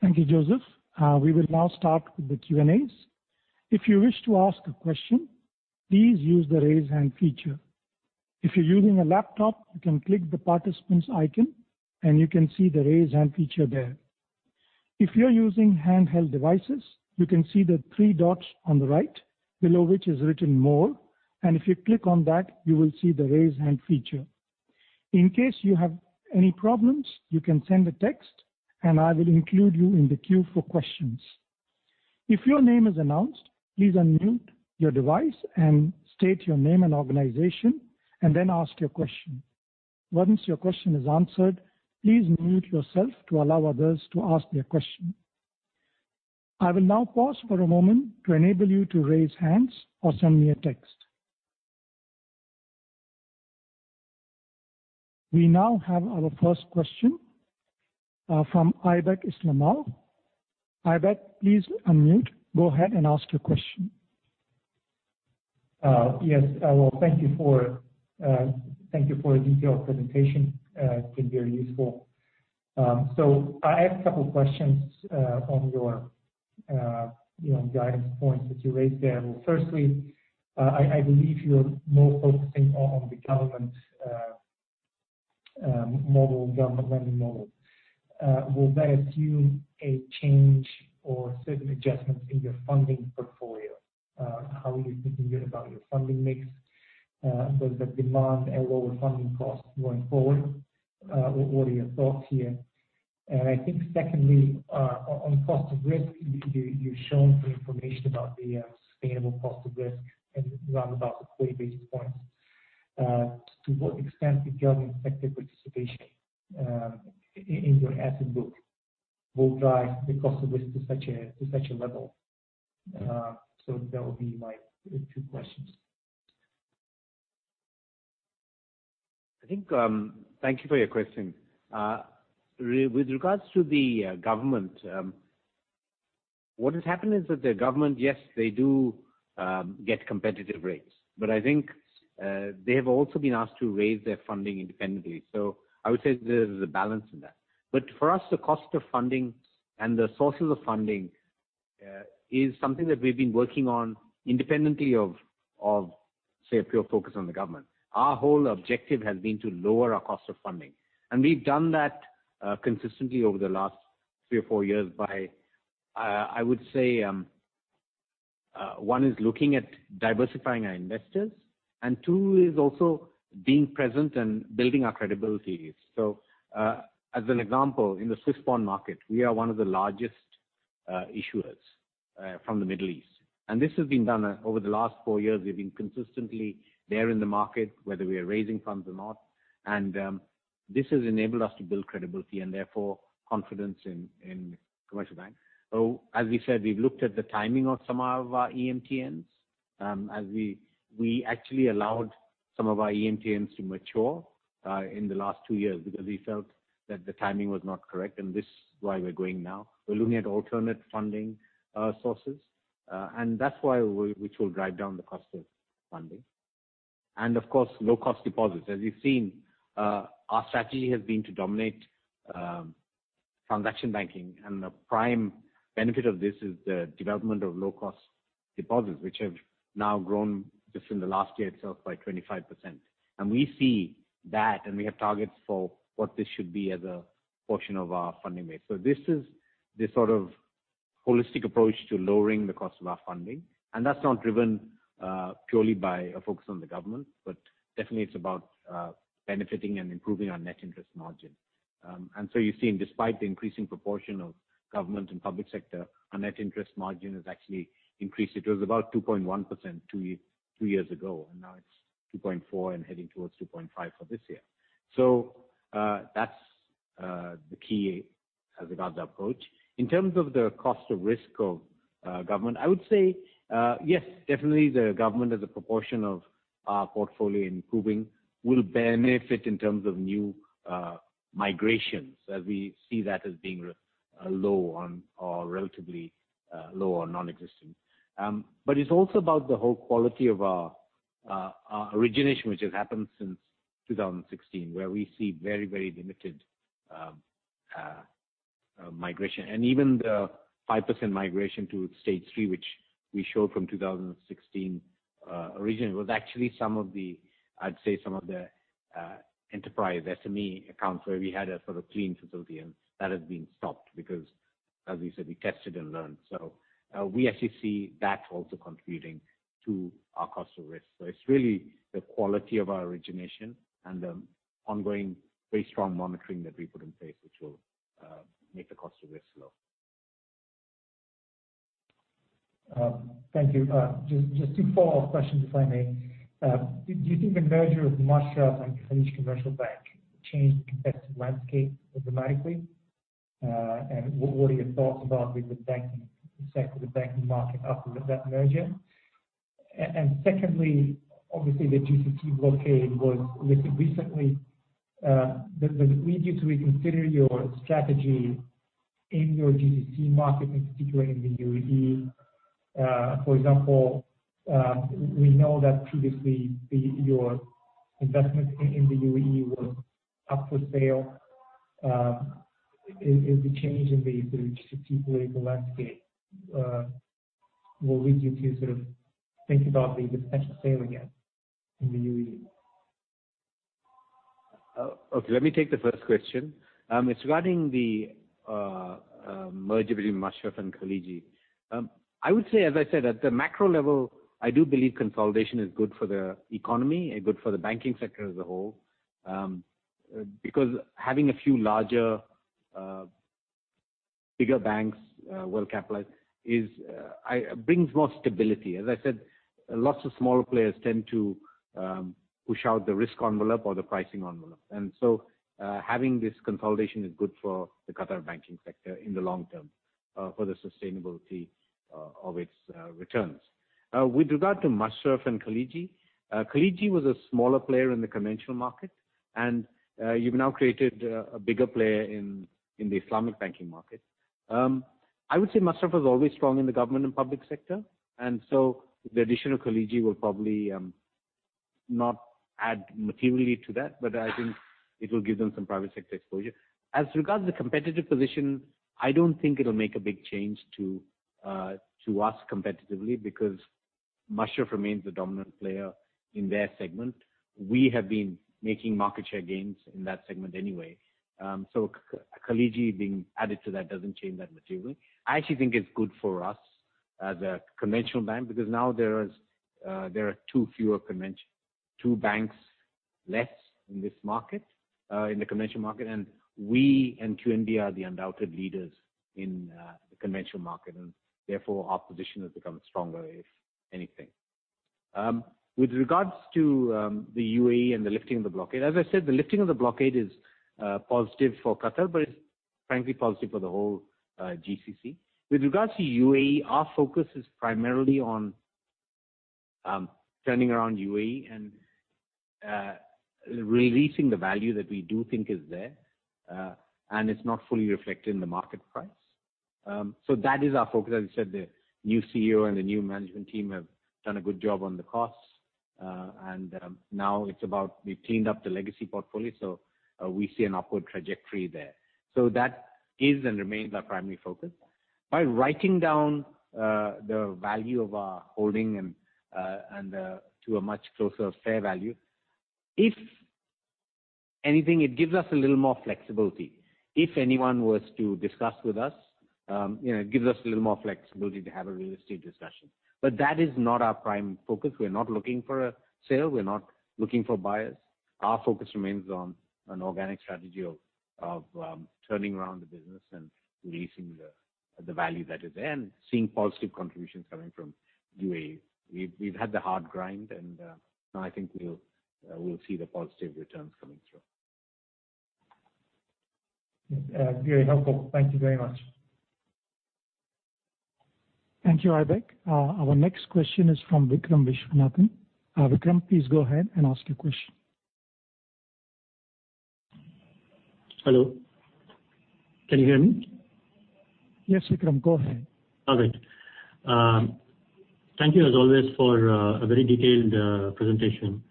Thank you, Joseph. We will now start with the Q&As. If you wish to ask a question, please use the raise hand feature. If you're using a laptop, you can click the participants icon, and you can see the raise hand feature there. If you're using handheld devices, you can see the three dots on the right, below which is written More, and if you click on that, you will see the raise hand feature. In case you have any problems, you can send a text and I will include you in the queue for questions. If your name is announced, please unmute your device and state your name and organization, and then ask your question. Once your question is answered, please mute yourself to allow others to ask their question. I will now pause for a moment to enable you to raise hands or send me a text. We now have our first question, from Aybek Islamov. Ibek, please unmute. Go ahead and ask your question. Yes. Well, thank you for a detailed presentation. It's been very useful. I have a couple questions, on your guidance points that you raised there. Well, firstly, I believe you're more focusing on the government model, government lending model. Will that assume a change or certain adjustments in your funding portfolio? How are you thinking about your funding mix with the demand and lower funding costs going forward? What are your thoughts here? I think secondly, on cost of risk, you've shown the information about the sustainable cost of risk and round about the 40 basis points. To what extent do you government sector participation in your asset book will drive the cost of risk to such a level? That would be my two questions. Thank you for your question. With regards to the government, what has happened is that the government, yes, they do get competitive rates. I think, they have also been asked to raise their funding independently. I would say there's a balance in that. For us, the cost of funding and the sources of funding is something that we've been working on independently of, say, a pure focus on the government. Our whole objective has been to lower our cost of funding. We've done that consistently over the last three or four years by, I would say One is looking at diversifying our investors, and two is also being present and building our credibility. As an example, in the Swiss bond market, we are one of the largest issuers from the Middle East. This has been done over the last four years. We've been consistently there in the market, whether we are raising funds or not. This has enabled us to build credibility and therefore confidence in The Commercial Bank. As we said, we've looked at the timing of some of our EMTNs. We actually allowed some of our EMTNs to mature in the last 2 years because we felt that the timing was not correct, and this is why we're going now. We're looking at alternate funding sources, which will drive down the cost of funding. Of course, low-cost deposits. As you've seen, our strategy has been to dominate transaction banking and the prime benefit of this is the development of low-cost deposits, which have now grown just in the last year itself by 25%. We see that, and we have targets for what this should be as a portion of our funding base. This is the sort of holistic approach to lowering the cost of our funding. That's not driven purely by a focus on the government, but definitely it's about benefiting and improving our net interest margin. You've seen, despite the increasing proportion of government and public sector, our net interest margin has actually increased. It was about 2.1% 2 years ago, and now it's 2.4% and heading towards 2.5% for this year. That's the key as regards the approach. In terms of the cost of risk of government, I would say, yes, definitely the government as a proportion of our portfolio improving will benefit in terms of new migrations as we see that as being low or relatively low or non-existent. It's also about the whole quality of our origination, which has happened since 2016, where we see very limited migration. Even the 5% migration to stage 3, which we showed from 2016 origin, was actually some of the, I'd say, some of the enterprise SME accounts where we had a sort of clean facility, and that has been stopped because, as we said, we tested and learned. We actually see that also contributing to our cost of risk. It's really the quality of our origination and the ongoing very strong monitoring that we put in place, which will make the cost of risk low. Thank you. Just two follow-up questions, if I may. Do you think the merger of Mashreq and Al Khalij Commercial Bank changed the competitive landscape dramatically? What are your thoughts about with the banking sector, the banking market after that merger? Secondly, obviously the GCC blockade was lifted recently. Does it lead you to reconsider your strategy in your GCC market, in particular in the UAE? For example, we know that previously your investments in the UAE were up for sale. Is the change in the sort of GCC political landscape, will lead you to sort of think about the potential sale again in the UAE? Okay, let me take the first question. It's regarding the merger between Mashreq and Al Khaliji. I would say, as I said, at the macro level, I do believe consolidation is good for the economy and good for the banking sector as a whole. Having a few larger, bigger banks, well capitalized, brings more stability. As I said, lots of smaller players tend to push out the risk envelope or the pricing envelope. Having this consolidation is good for the Qatar banking sector in the long term, for the sustainability of its returns. With regard to Mashreq and Al Khaliji, Al Khaliji was a smaller player in the conventional market, and you've now created a bigger player in the Islamic banking market. I would say Mashreq was always strong in the government and public sector, the addition of Al Khaliji will probably not add materially to that, but I think it will give them some private sector exposure. As regards the competitive position, I don't think it'll make a big change to us competitively Mashreq remains the dominant player in their segment. We have been making market share gains in that segment anyway. Al Khaliji being added to that doesn't change that materially. I actually think it's good for us as a conventional bank now there are two fewer conventional, two banks less in this market, in the conventional market. We and QNB are the undoubted leaders in the conventional market and therefore our position has become stronger, if anything. With regards to the UAE and the lifting of the blockade, as I said, the lifting of the blockade is positive for Qatar but it's frankly positive for the whole GCC. With regards to UAE, our focus is primarily on turning around UAE and releasing the value that we do think is there, and it's not fully reflected in the market price. That is our focus. As I said, the new CEO and the new management team have done a good job on the costs. Now it's about we've cleaned up the legacy portfolio, we see an upward trajectory there. That is and remains our primary focus. By writing down the value of our holding and to a much closer fair value, if- Anything, it gives us a little more flexibility. If anyone was to discuss with us, it gives us a little more flexibility to have a real estate discussion. That is not our prime focus. We're not looking for a sale, we're not looking for buyers. Our focus remains on an organic strategy of turning around the business and releasing the value that is there and seeing positive contributions coming from UAE. We've had the hard grind, I think we'll see the positive returns coming through. Very helpful. Thank you very much. Thank you, Aybek. Our next question is from Vikram Viswanathan. Vikram, please go ahead and ask your question. Hello. Can you hear me? Yes, Vikram, go ahead. All right. Thank you as always for a very detailed presentation.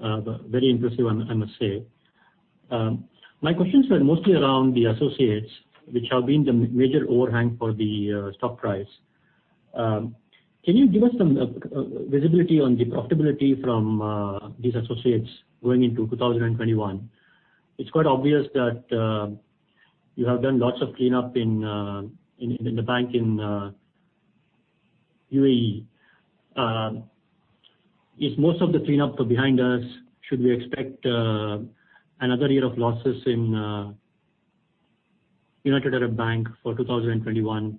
Very impressive, I must say. My questions are mostly around the associates, which have been the major overhang for the stock price. Can you give us some visibility on the profitability from these associates going into 2021? It's quite obvious that you have done lots of cleanup in the bank in U.A.E. Is most of the cleanup behind us? Should we expect another year of losses in United Arab Bank for 2021? You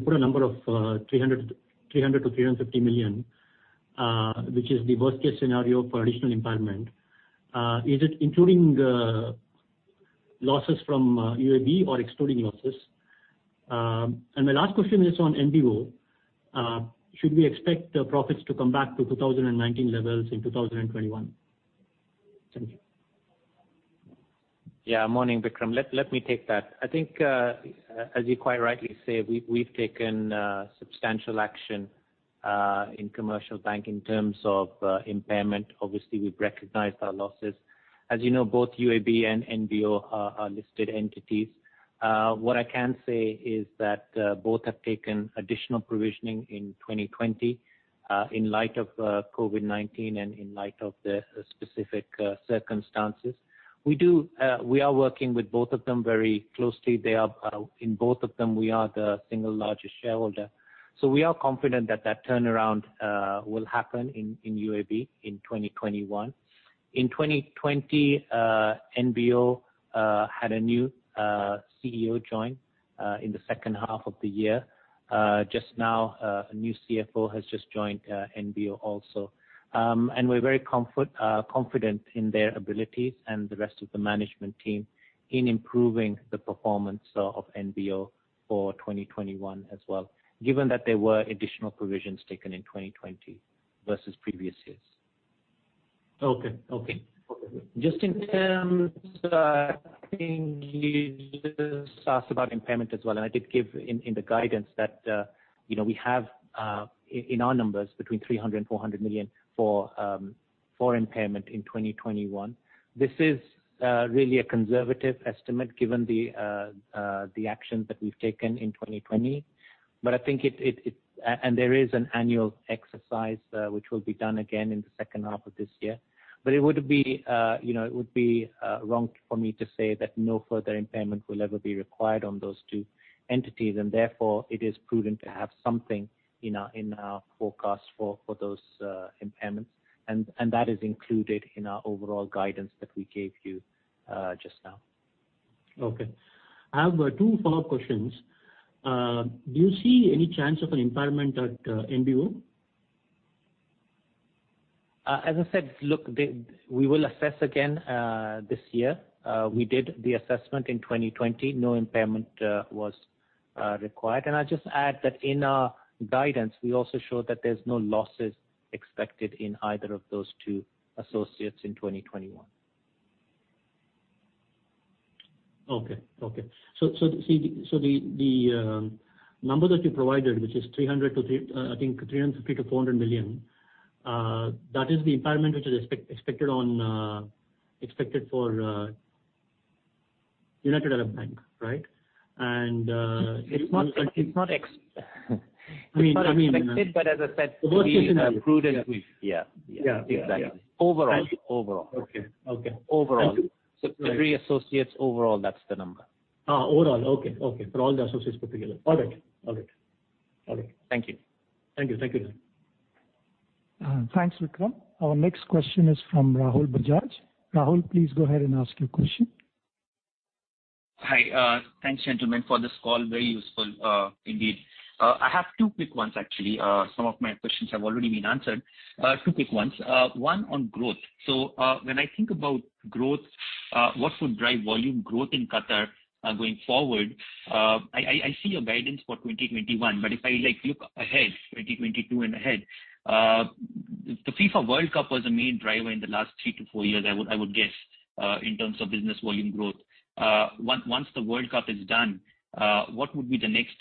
put a number of 300 million-350 million, which is the worst-case scenario for additional impairment. Is it including losses from UAB or excluding losses? My last question is on NBO. Should we expect profits to come back to 2019 levels in 2021? Thank you. Morning, Vikram. Let me take that. I think, as you quite rightly say, we've taken substantial action in The Commercial Bank in terms of impairment. Obviously, we've recognized our losses. As you know, both UAB and NBO are listed entities. What I can say is that both have taken additional provisioning in 2020, in light of COVID-19 and in light of the specific circumstances. We are working with both of them very closely. In both of them, we are the single largest shareholder. We are confident that turnaround will happen in UAB in 2021. In 2020, NBO had a new CEO join in the second half of the year. Just now, a new CFO has just joined NBO also. We're very confident in their abilities and the rest of the management team in improving the performance of NBO for 2021 as well, given that there were additional provisions taken in 2020 versus previous years. Okay. Just in terms of, I think you just asked about impairment as well, I did give in the guidance that we have, in our numbers, between 300 million and 400 million for impairment in 2021. This is really a conservative estimate given the actions that we've taken in 2020. There is an annual exercise which will be done again in the second half of this year. It would be wrong for me to say that no further impairment will ever be required on those two entities, and therefore, it is prudent to have something in our forecast for those impairments. That is included in our overall guidance that we gave you just now. Okay. I have two follow-up questions. Do you see any chance of an impairment at NBO? As I said, look, we will assess again this year. We did the assessment in 2020. No impairment was required. I'd just add that in our guidance, we also showed that there's no losses expected in either of those two associates in 2021. Okay. The number that you provided, which is 300 million to, I think, 350 million-400 million, that is the impairment which is expected for United Arab Bank, right? It's not expected. The worst case scenario we are prudent. Yeah. Yeah, exactly. Overall. Okay. Overall. Thank you. The three associates overall, that's the number. Overall. Okay. For all the associates put together. All right. Thank you. Thank you. Thanks, Vikram. Our next question is from Rahul Bajaj. Rahul, please go ahead and ask your question. Hi. Thanks, gentlemen, for this call. Very useful indeed. I have two quick ones, actually. Some of my questions have already been answered. Two quick ones. One on growth. When I think about growth, what would drive volume growth in Qatar going forward? I see your guidance for 2021, but if I look ahead, 2022 and ahead, the FIFA World Cup was a main driver in the last 3-4 years, I would guess, in terms of business volume growth. Once the World Cup is done, what would be the next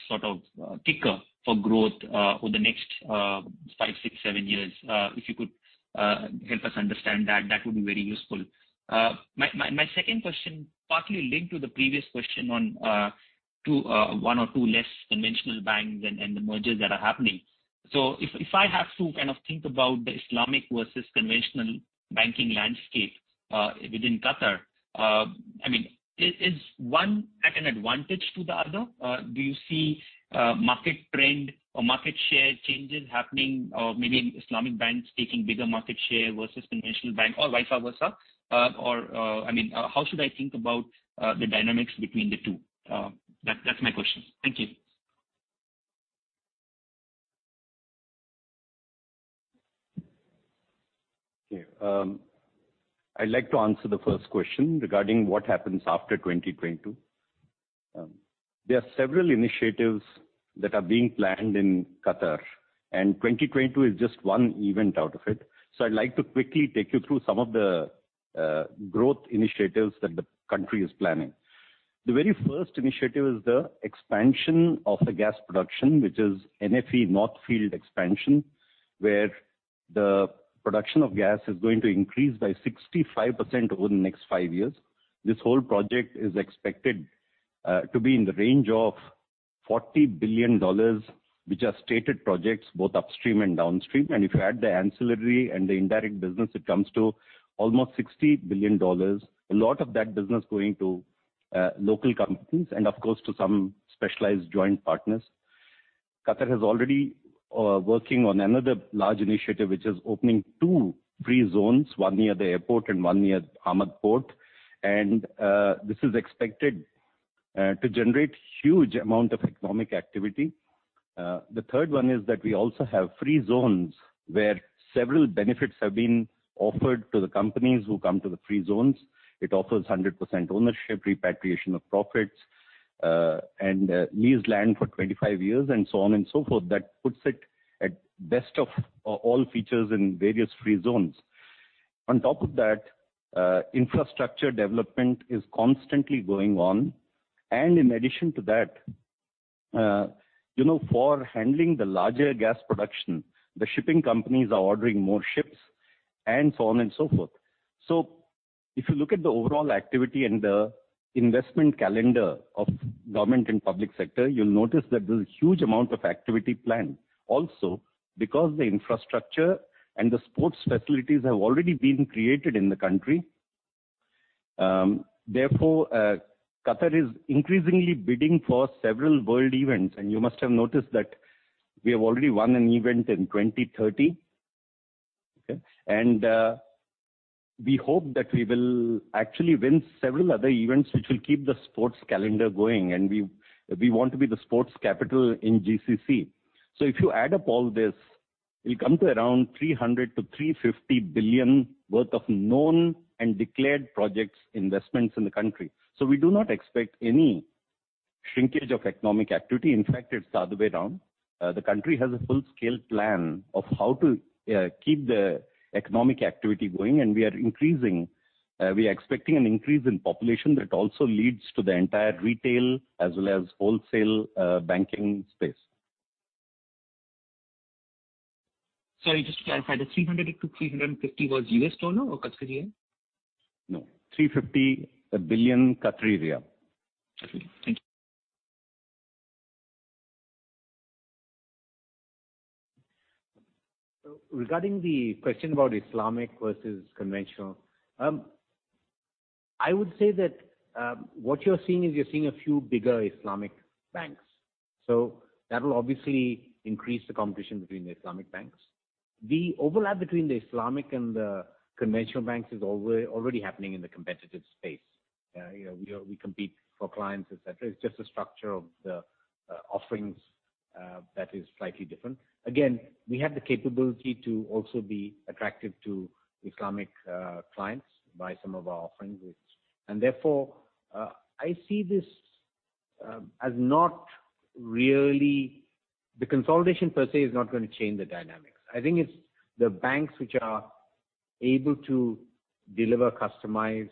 ticker for growth over the next five, six, seven years, if you could please help us understand that would be very useful. My second question, partly linked to the previous question on one or two less conventional banks and the mergers that are happening. If I have to think about the Islamic versus conventional banking landscape within Qatar, is one at an advantage to the other? Do you see market trend or market share changes happening, or maybe Islamic banks taking bigger market share versus conventional bank or vice versa? How should I think about the dynamics between the two? That's my question. Thank you. Okay. I'd like to answer the first question regarding what happens after 2022. There are several initiatives that are being planned in Qatar, and 2022 is just one event out of it. I'd like to quickly take you through some of the growth initiatives that the country is planning. The very first initiative is the expansion of the gas production, which is NFE, North Field Expansion, where the production of gas is going to increase by 65% over the next five years. This whole project is expected to be in the range of QAR 40 billion, which are stated projects both upstream and downstream. If you add the ancillary and the indirect business, it comes to almost QAR 60 billion. A lot of that business going to local companies and, of course, to some specialized joint partners. Qatar is already working on another large initiative, which is opening two free zones, one near the airport and one near Hamad Port. This is expected to generate huge amount of economic activity. The third one is that we also have free zones where several benefits have been offered to the companies who come to the free zones. It offers 100% ownership, repatriation of profits, and leased land for 25 years, and so on and so forth. That puts it at best of all features in various free zones. On top of that, infrastructure development is constantly going on. In addition to that, for handling the larger gas production, the shipping companies are ordering more ships, and so on and so forth. If you look at the overall activity and the investment calendar of government and public sector, you'll notice that there's a huge amount of activity planned. Because the infrastructure and the sports facilities have already been created in the country, therefore, Qatar is increasingly bidding for several world events. You must have noticed that we have already won an event in 2030. We hope that we will actually win several other events which will keep the sports calendar going, and we want to be the sports capital in GCC. If you add up all this, it'll come to around 300 billion-350 billion worth of known and declared projects investments in the country. We do not expect any shrinkage of economic activity. In fact, it's the other way around. The country has a full-scale plan of how to keep the economic activity going. We are increasing. We are expecting an increase in population that also leads to the entire retail as well as wholesale banking space. Sorry, just to clarify, the 300 to 350 was U.S. dollar or Qatari riyal? No, QAR 350 billion. Okay. Thank you. Regarding the question about Islamic versus conventional, I would say that what you're seeing is you're seeing a few bigger Islamic banks. That will obviously increase the competition between the Islamic banks. The overlap between the Islamic and the conventional banks is already happening in the competitive space. We compete for clients, et cetera. It's just the structure of the offerings that is slightly different. Again, we have the capability to also be attractive to Islamic clients by some of our offerings. Therefore, I see this as not really. The consolidation per se is not going to change the dynamics. I think it's the banks which are able to deliver customized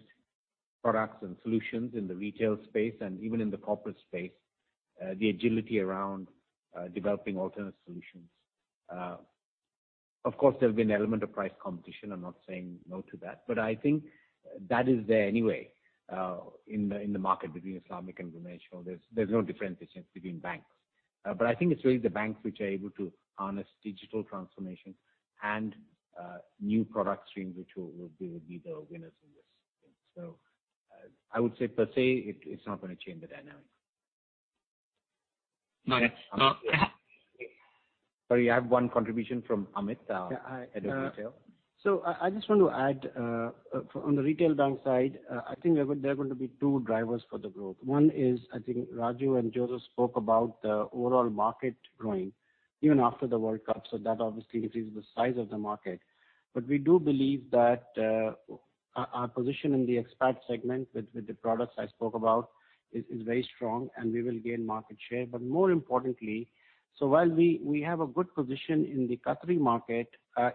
products and solutions in the retail space and even in the corporate space, the agility around developing alternate solutions. Of course, there'll be an element of price competition. I'm not saying no to that, I think that is there anyway, in the market between Islamic and conventional. There's no differentiation between banks. I think it's really the banks which are able to harness digital transformation and new product streams which will be the winners in this. I would say per se, it's not going to change the dynamics. No. Sorry, I have one contribution from Amit, Head of Retail. I just want to add, on the retail bank side, I think there are going to be two drivers for the growth. One is, I think Raju and Joseph spoke about the overall market growing even after the World Cup, that obviously increases the size of the market. We do believe that our position in the expat segment with the products I spoke about is very strong and we will gain market share, but more importantly, while we have a good position in the Qatari market,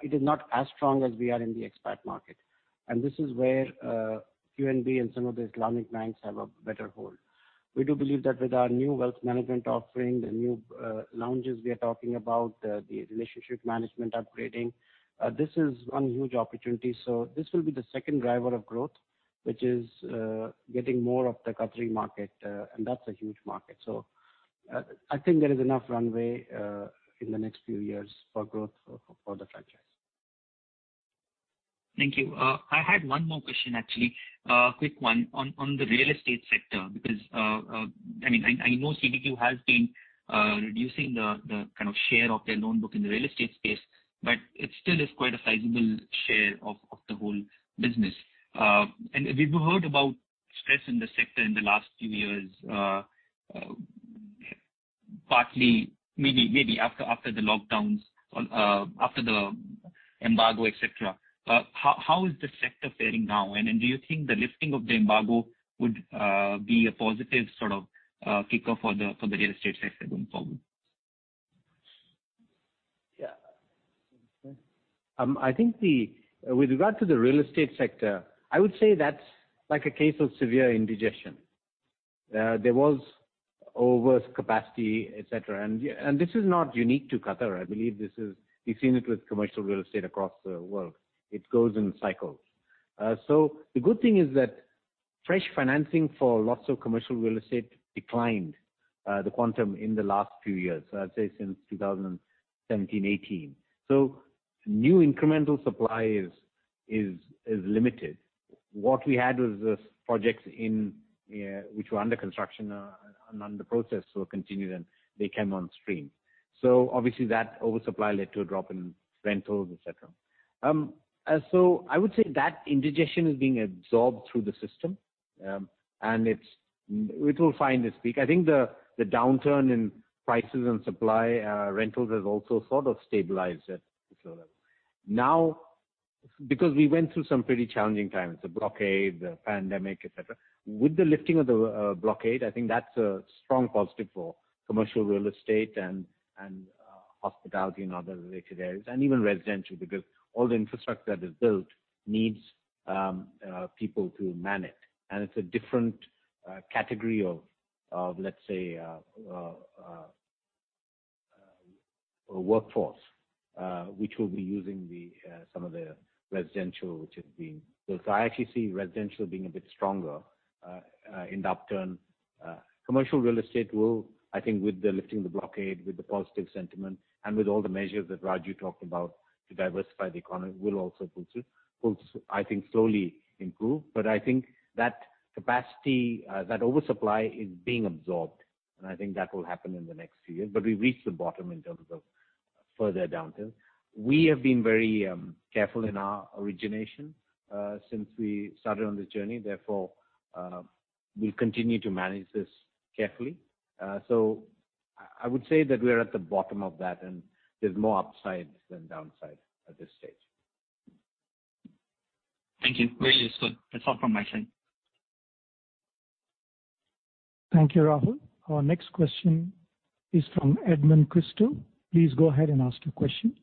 it is not as strong as we are in the expat market. This is where QNB and some of the Islamic banks have a better hold. We do believe that with our new wealth management offering, the new lounges we are talking about, the relationship management upgrading, this is one huge opportunity. This will be the second driver of growth, which is getting more of the Qatari market, and that's a huge market. I think there is enough runway in the next few years for growth for the franchise. Thank you. I had one more question, actually. A quick one on the real estate sector, because I know CBQ has been reducing the kind of share of their loan book in the real estate space, but it still is quite a sizable share of the whole business. We've heard about stress in the sector in the last few years, partly, maybe after the lockdowns or after the embargo, et cetera. How is the sector faring now? Do you think the lifting of the embargo would be a positive sort of kickoff for the real estate sector going forward? Yeah. I think with regard to the real estate sector, I would say that's like a case of severe indigestion. There was overcapacity, et cetera, and this is not unique to Qatar. I believe we've seen it with commercial real estate across the world. It goes in cycles. The good thing is that fresh financing for lots of commercial real estate declined, the quantum in the last few years, I'd say since 2017, 2018. New incremental supply is limited. What we had was projects which were under construction and under process will continue, and they came on stream. Obviously that oversupply led to a drop in rentals, et cetera. I would say that indigestion is being absorbed through the system. It will find its peak. I think the downturn in prices and supply, rentals has also sort of stabilized at this level. Because we went through some pretty challenging times, the blockade, the pandemic, et cetera. With the lifting of the blockade, I think that's a strong positive for commercial real estate and hospitality and other related areas, and even residential, because all the infrastructure that is built needs people to man it. It's a different category of, let's say, a workforce which will be using some of the residential which has been built. I actually see residential being a bit stronger in that turn. Commercial real estate will, I think with the lifting of the blockade, with the positive sentiment and with all the measures that Raju talked about to diversify the economy will also, I think, slowly improve. I think that capacity, that oversupply is being absorbed and I think that will happen in the next few years. We've reached the bottom in terms of further downturn. We have been very careful in our origination since we started on this journey, therefore, we'll continue to manage this carefully. I would say that we're at the bottom of that and there's more upside than downside at this stage. Thank you. Very useful. That's all from my side. Thank you, Rahul. Our next question is from Edmund Crystal. Please go ahead and ask your question.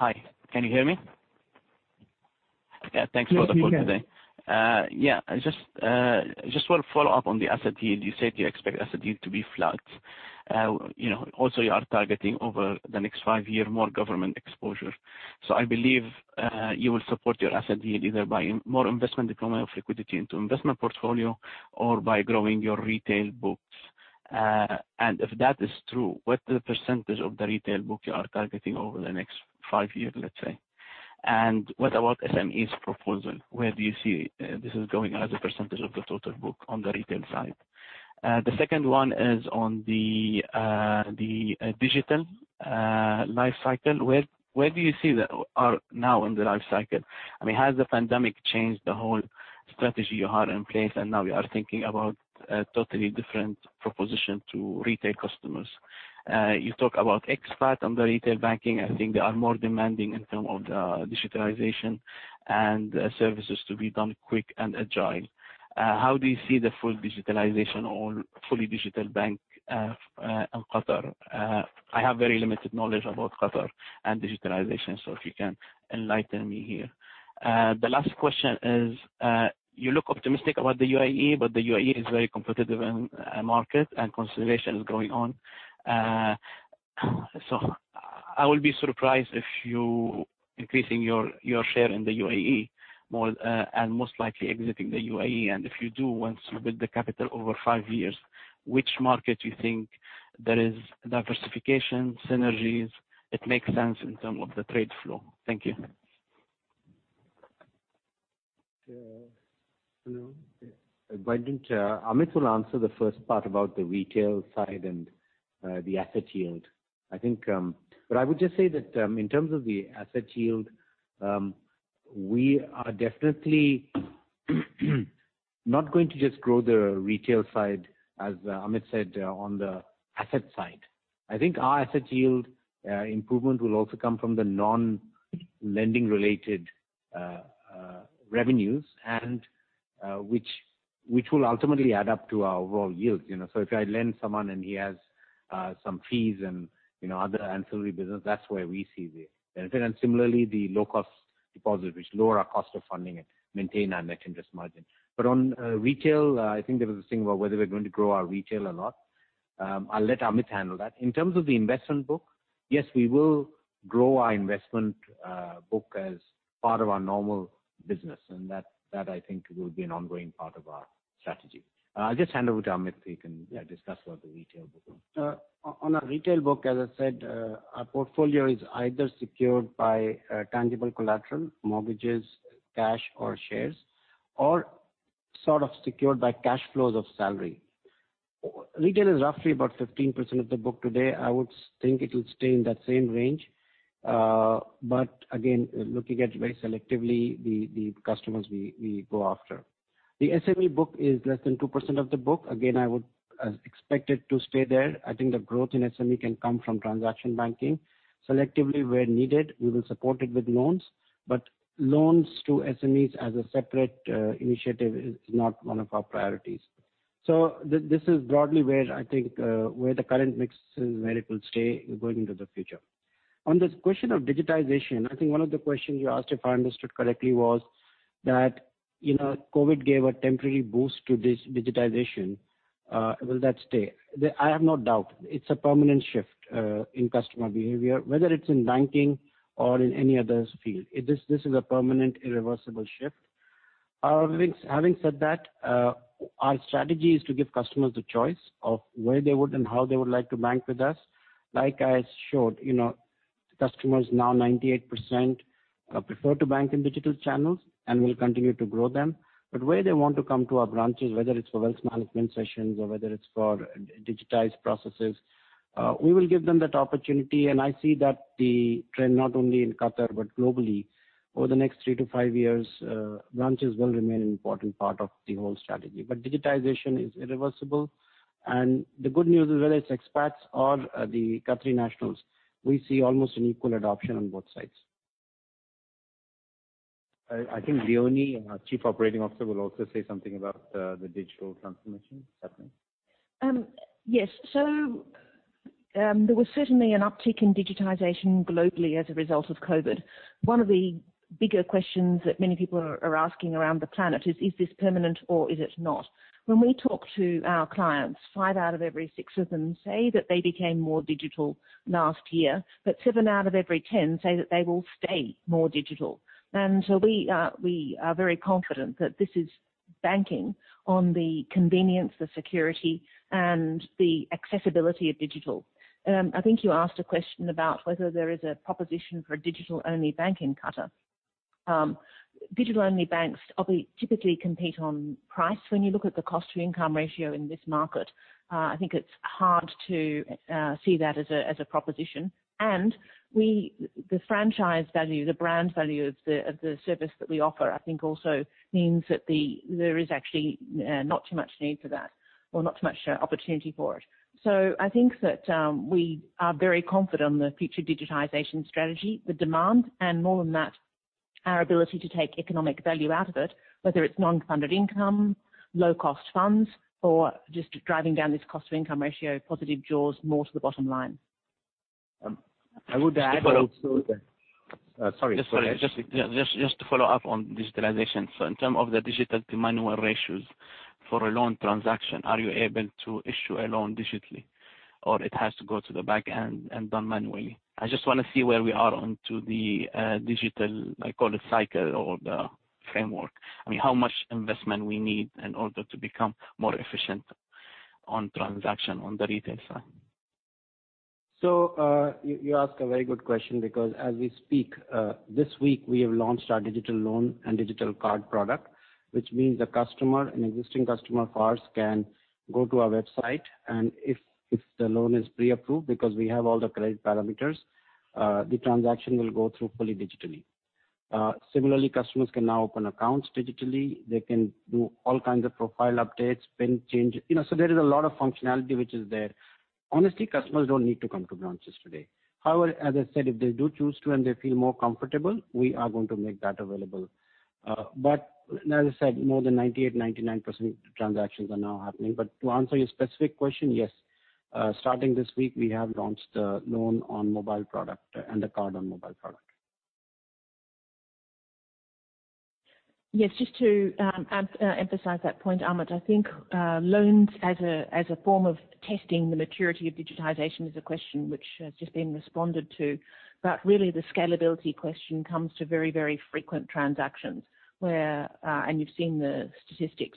Hi, can you hear me? Yeah, thanks for the call today. Yes, we can. Yeah, I just want to follow up on the asset yield. You said you expect asset yield to be flat. Also you are targeting over the next five year more government exposure. I believe you will support your asset yield either by more investment deployment of liquidity into investment portfolio or by growing your retail books. If that is true, what the percentage of the retail book you are targeting over the next five years, let's say? What about SMEs proposal? Where do you see this is going as a percentage of the total book on the retail side? The second one is on the digital life cycle. Where do you see that are now in the life cycle? Has the pandemic changed the whole strategy you had in place and now you are thinking about a totally different proposition to retail customers? You talk about expat on the retail banking. I think they are more demanding in terms of the digitalization and services to be done quick and agile. How do you see the full digitalization or fully digital bank in Qatar? I have very limited knowledge about Qatar and digitalization, so if you can enlighten me here. The last question is, you look optimistic about the U.A.E. but the U.A.E. is very competitive in market and consolidation is going on. I will be surprised if you increasing your share in the U.A.E. more, and most likely exiting the U.A.E. If you do want to build the capital over five years, which market you think there is diversification, synergies, it makes sense in terms of the trade flow? Thank you. Anil. Amit will answer the first part about the retail side and the asset yield. I would just say that in terms of the asset yield, we are definitely not going to just grow the retail side as Amit said on the asset side. I think our asset yield improvement will also come from the non-lending related revenues and which It will ultimately add up to our overall yields. If I lend someone and he has some fees and other ancillary business, that's where we see the benefit. Similarly, the low-cost deposits, which lower our cost of funding and maintain our net interest margin. On retail, I think there was a thing about whether we're going to grow our retail or not. I'll let Amit handle that. In terms of the investment book, yes, we will grow our investment book as part of our normal business, and that, I think, will be an ongoing part of our strategy. I'll just hand over to Amit, so he can discuss about the retail book. On our retail book, as I said, our portfolio is either secured by tangible collateral, mortgages, cash, or shares, or sort of secured by cash flows of salary. Retail is roughly about 15% of the book today. I would think it will stay in that same range. Again, looking at very selectively the customers we go after. The SME book is less than 2% of the book. Again, I would expect it to stay there. I think the growth in SME can come from transaction banking. Selectively where needed, we will support it with loans, but loans to SMEs as a separate initiative is not one of our priorities. This is broadly where I think the current mix is, where it will stay going into the future. On this question of digitization, I think one of the questions you asked, if I understood correctly, was that COVID gave a temporary boost to this digitization. Will that stay? I have no doubt it's a permanent shift in customer behavior, whether it's in banking or in any other field. This is a permanent, irreversible shift. Having said that, our strategy is to give customers the choice of where they would and how they would like to bank with us. Like I showed, customers now, 98% prefer to bank in digital channels, and we'll continue to grow them. Where they want to come to our branches, whether it's for wealth management sessions or whether it's for digitized processes, we will give them that opportunity. I see that the trend not only in Qatar but globally over the next three to five years, branches will remain an important part of the whole strategy. Digitization is irreversible, and the good news is, whether it's expats or the Qatari nationals, we see almost an equal adoption on both sides. I think Leonie, our Chief Operating Officer, will also say something about the digital transformation happening. Yes. There was certainly an uptick in digitization globally as a result of COVID. One of the bigger questions that many people are asking around the planet is this permanent or is it not? When we talk to our clients, five out of every six of them say that they became more digital last year, but seven out of every 10 say that they will stay more digital. We are very confident that this is banking on the convenience, the security, and the accessibility of digital. I think you asked a question about whether there is a proposition for a digital-only bank in Qatar. Digital-only banks typically compete on price. When you look at the cost-to-income ratio in this market, I think it's hard to see that as a proposition. The franchise value, the brand value of the service that we offer, I think, also means that there is actually not too much need for that or not too much opportunity for it. I think that we are very confident on the future digitization strategy, the demand, and more than that, our ability to take economic value out of it, whether it's non-funded income, low-cost funds, or just driving down this cost-to-income ratio, positive jaws, more to the bottom line. I would add also that- Just to follow up- Sorry. Just to follow up on digitalization. In terms of the digital to manual ratios for a loan transaction, are you able to issue a loan digitally or it has to go to the back end and done manually? I just want to see where we are onto the digital, I call it cycle or the framework. I mean, how much investment we need in order to become more efficient on transaction on the retail side. You ask a very good question because as we speak, this week, we have launched our digital loan and digital card product, which means the customer, an existing customer of ours, can go to our website, and if the loan is pre-approved, because we have all the credit parameters, the transaction will go through fully digitally. Similarly, customers can now open accounts digitally. They can do all kinds of profile updates, PIN change. There is a lot of functionality which is there. Honestly, customers don't need to come to branches today. However, as I said, if they do choose to and they feel more comfortable, we are going to make that available. As I said, more than 98%-99% of transactions are now happening. To answer your specific question, yes. Starting this week, we have launched the loan on mobile product and the card on mobile product. Yes, just to emphasize that point, Amit, I think loans as a form of testing the maturity of digitization is a question which has just been responded to. Really the scalability question comes to very, very frequent transactions where, and you've seen the statistics,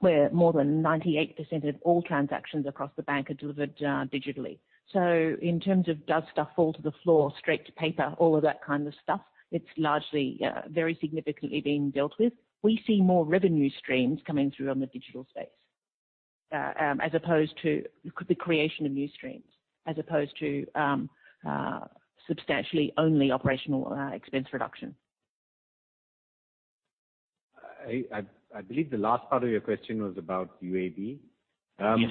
where more than 98% of all transactions across the bank are delivered digitally. In terms of does stuff fall to the floor, straight to paper, all of that kind of stuff, it's largely very significantly being dealt with. We see more revenue streams coming through on the digital space, the creation of new streams, as opposed to substantially only operational expense reduction. I believe the last part of your question was about U.A.E. Yes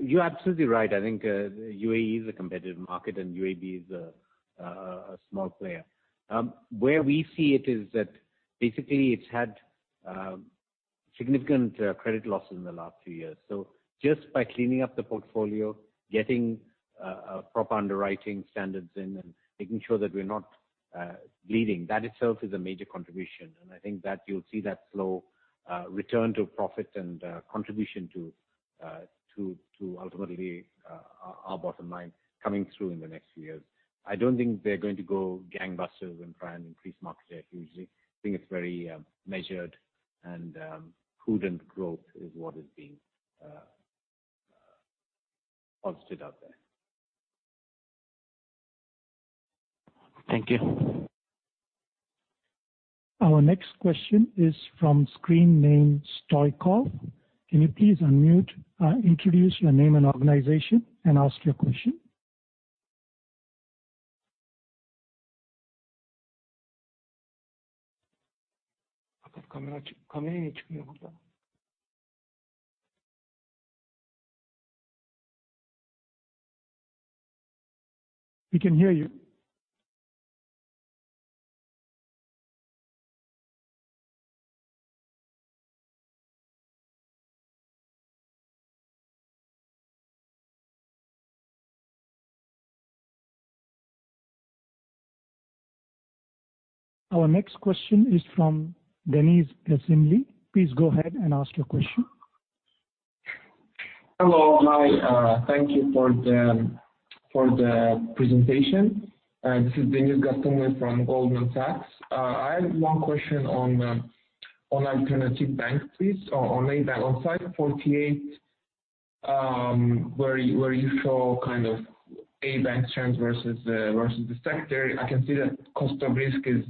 You're absolutely right. I think U.A.E. is a competitive market and UAB is a small player. Where we see it is that basically it's had significant credit losses in the last few years. Just by cleaning up the portfolio, getting proper underwriting standards in and making sure that we're not bleeding, that itself is a major contribution. I think that you'll see that slow return to profit and contribution to ultimately our bottom line coming through in the next few years. I don't think they're going to go gangbusters and try and increase market share hugely. I think it's very measured and prudent growth is what is being posted out there. Thank you. Our next question is from Screen Name Vanessa. Can you please unmute, introduce your name and organization, and ask your question? We can hear you. Our next question is from Deniz Gazimli. Please go ahead and ask your question. Hello. Hi, thank you for the presentation. This is Deniz Gazimli from Goldman Sachs. I have one question on Alternatif Bank, please, on page 48, where you show ABank trends versus the sector. I can see that cost of risk is,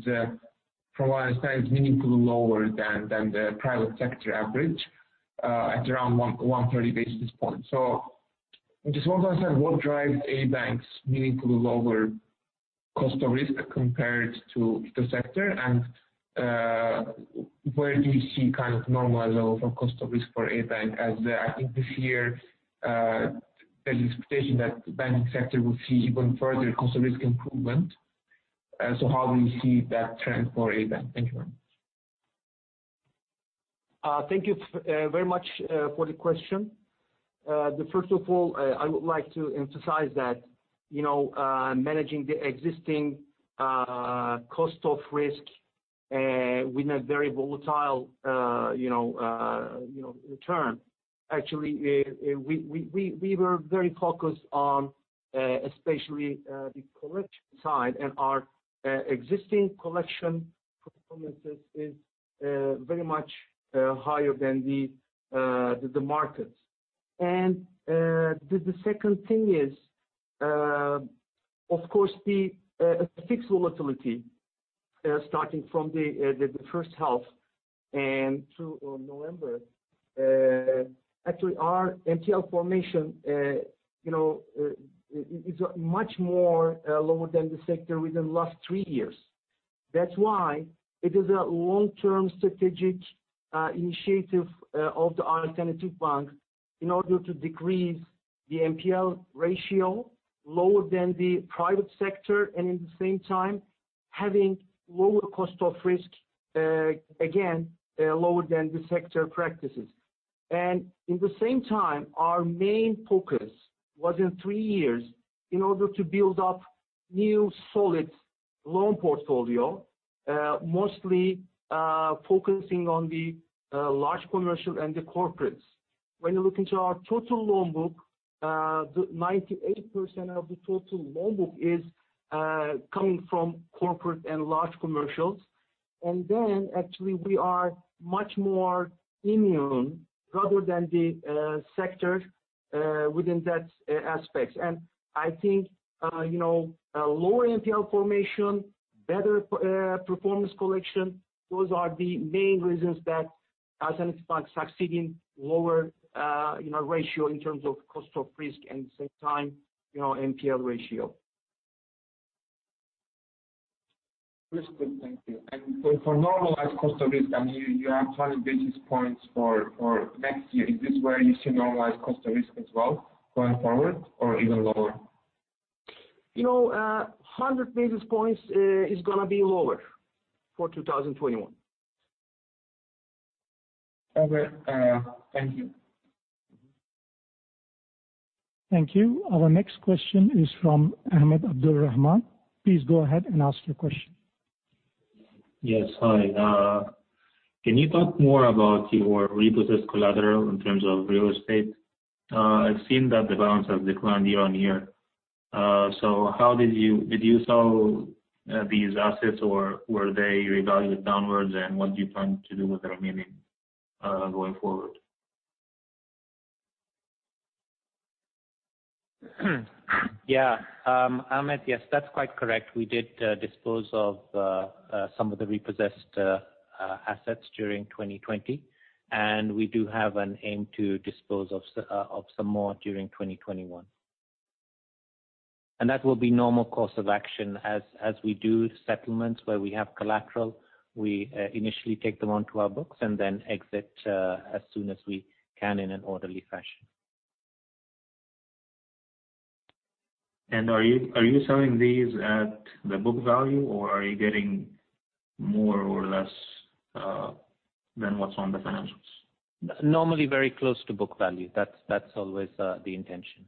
from what I understand, is meaningfully lower than the private sector average, at around 130 basis points. Just want to understand, what drives ABank's meaningfully lower cost of risk compared to the sector and where do you see normal level for cost of risk for ABank, as I think this year there's expectation that the banking sector will see even further cost of risk improvement. How do you see that trend for ABank? Thank you very much. Thank you very much for the question. First of all, I would like to emphasize that managing the existing cost of risk with a very volatile return. We were very focused on especially the collection side and our existing collection performance is very much higher than the market. The second thing is, of course, the FX volatility starting from the first half and through November. Our NPL formation is much lower than the sector within last three years. That's why it is a long-term strategic initiative of Alternatif Bank in order to decrease the NPL ratio lower than the private sector and in the same time having lower cost of risk, again, lower than the sector practices. In the same time, our main focus was in three years in order to build up new solid loan portfolio, mostly focusing on the large commercial and the corporates. When you look into our total loan book, 98% of the total loan book is coming from corporate and large commercials. We are much more immune rather than the sector within that aspect. I think lower NPL formation, better performance collection, those are the main reasons that Alternatif Bank succeeding lower ratio in terms of cost of risk and same time NPL ratio. That's good. Thank you. For normalized cost of risk, you have 20 basis points for next year. Is this where you see normalized cost of risk as well going forward or even lower? 100 basis points is going to be lower for 2021. Okay. Thank you. Thank you. Our next question is from Ahmed Abdulrahman. Please go ahead and ask your question. Yes. Hi. Can you talk more about your repossessed collateral in terms of real estate? I've seen that the balance has declined year-on-year. Did you sell these assets or were they revalued downwards and what do you plan to do with the remaining going forward? Yeah. Ahmed, yes, that's quite correct. We did dispose of some of the repossessed assets during 2020, we do have an aim to dispose of some more during 2021. That will be normal course of action. As we do settlements where we have collateral, we initially take them onto our books and then exit as soon as we can in an orderly fashion. Are you selling these at the book value or are you getting more or less than what's on the financials? Normally very close to book value. That's always the intention.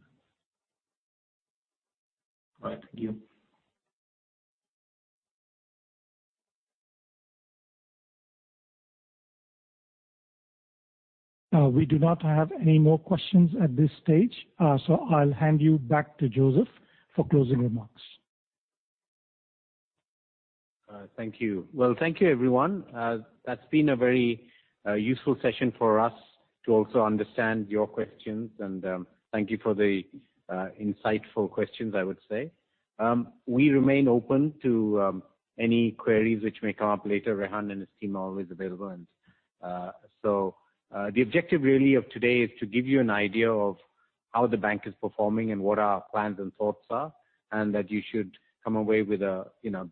All right. Thank you. We do not have any more questions at this stage. I'll hand you back to Joseph for closing remarks. Thank you. Well, thank you everyone. That's been a very useful session for us to also understand your questions and thank you for the insightful questions, I would say. We remain open to any queries which may come up later. Rehan and his team are always available. The objective really of today is to give you an idea of how the bank is performing and what our plans and thoughts are, and that you should come away with a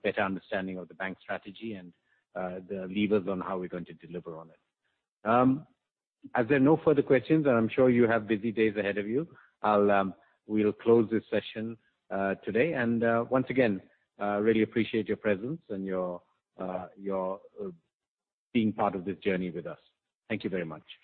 better understanding of the bank strategy and the levers on how we're going to deliver on it. As there are no further questions, and I'm sure you have busy days ahead of you, we'll close this session today. Once again, really appreciate your presence and your being part of this journey with us. Thank you very much.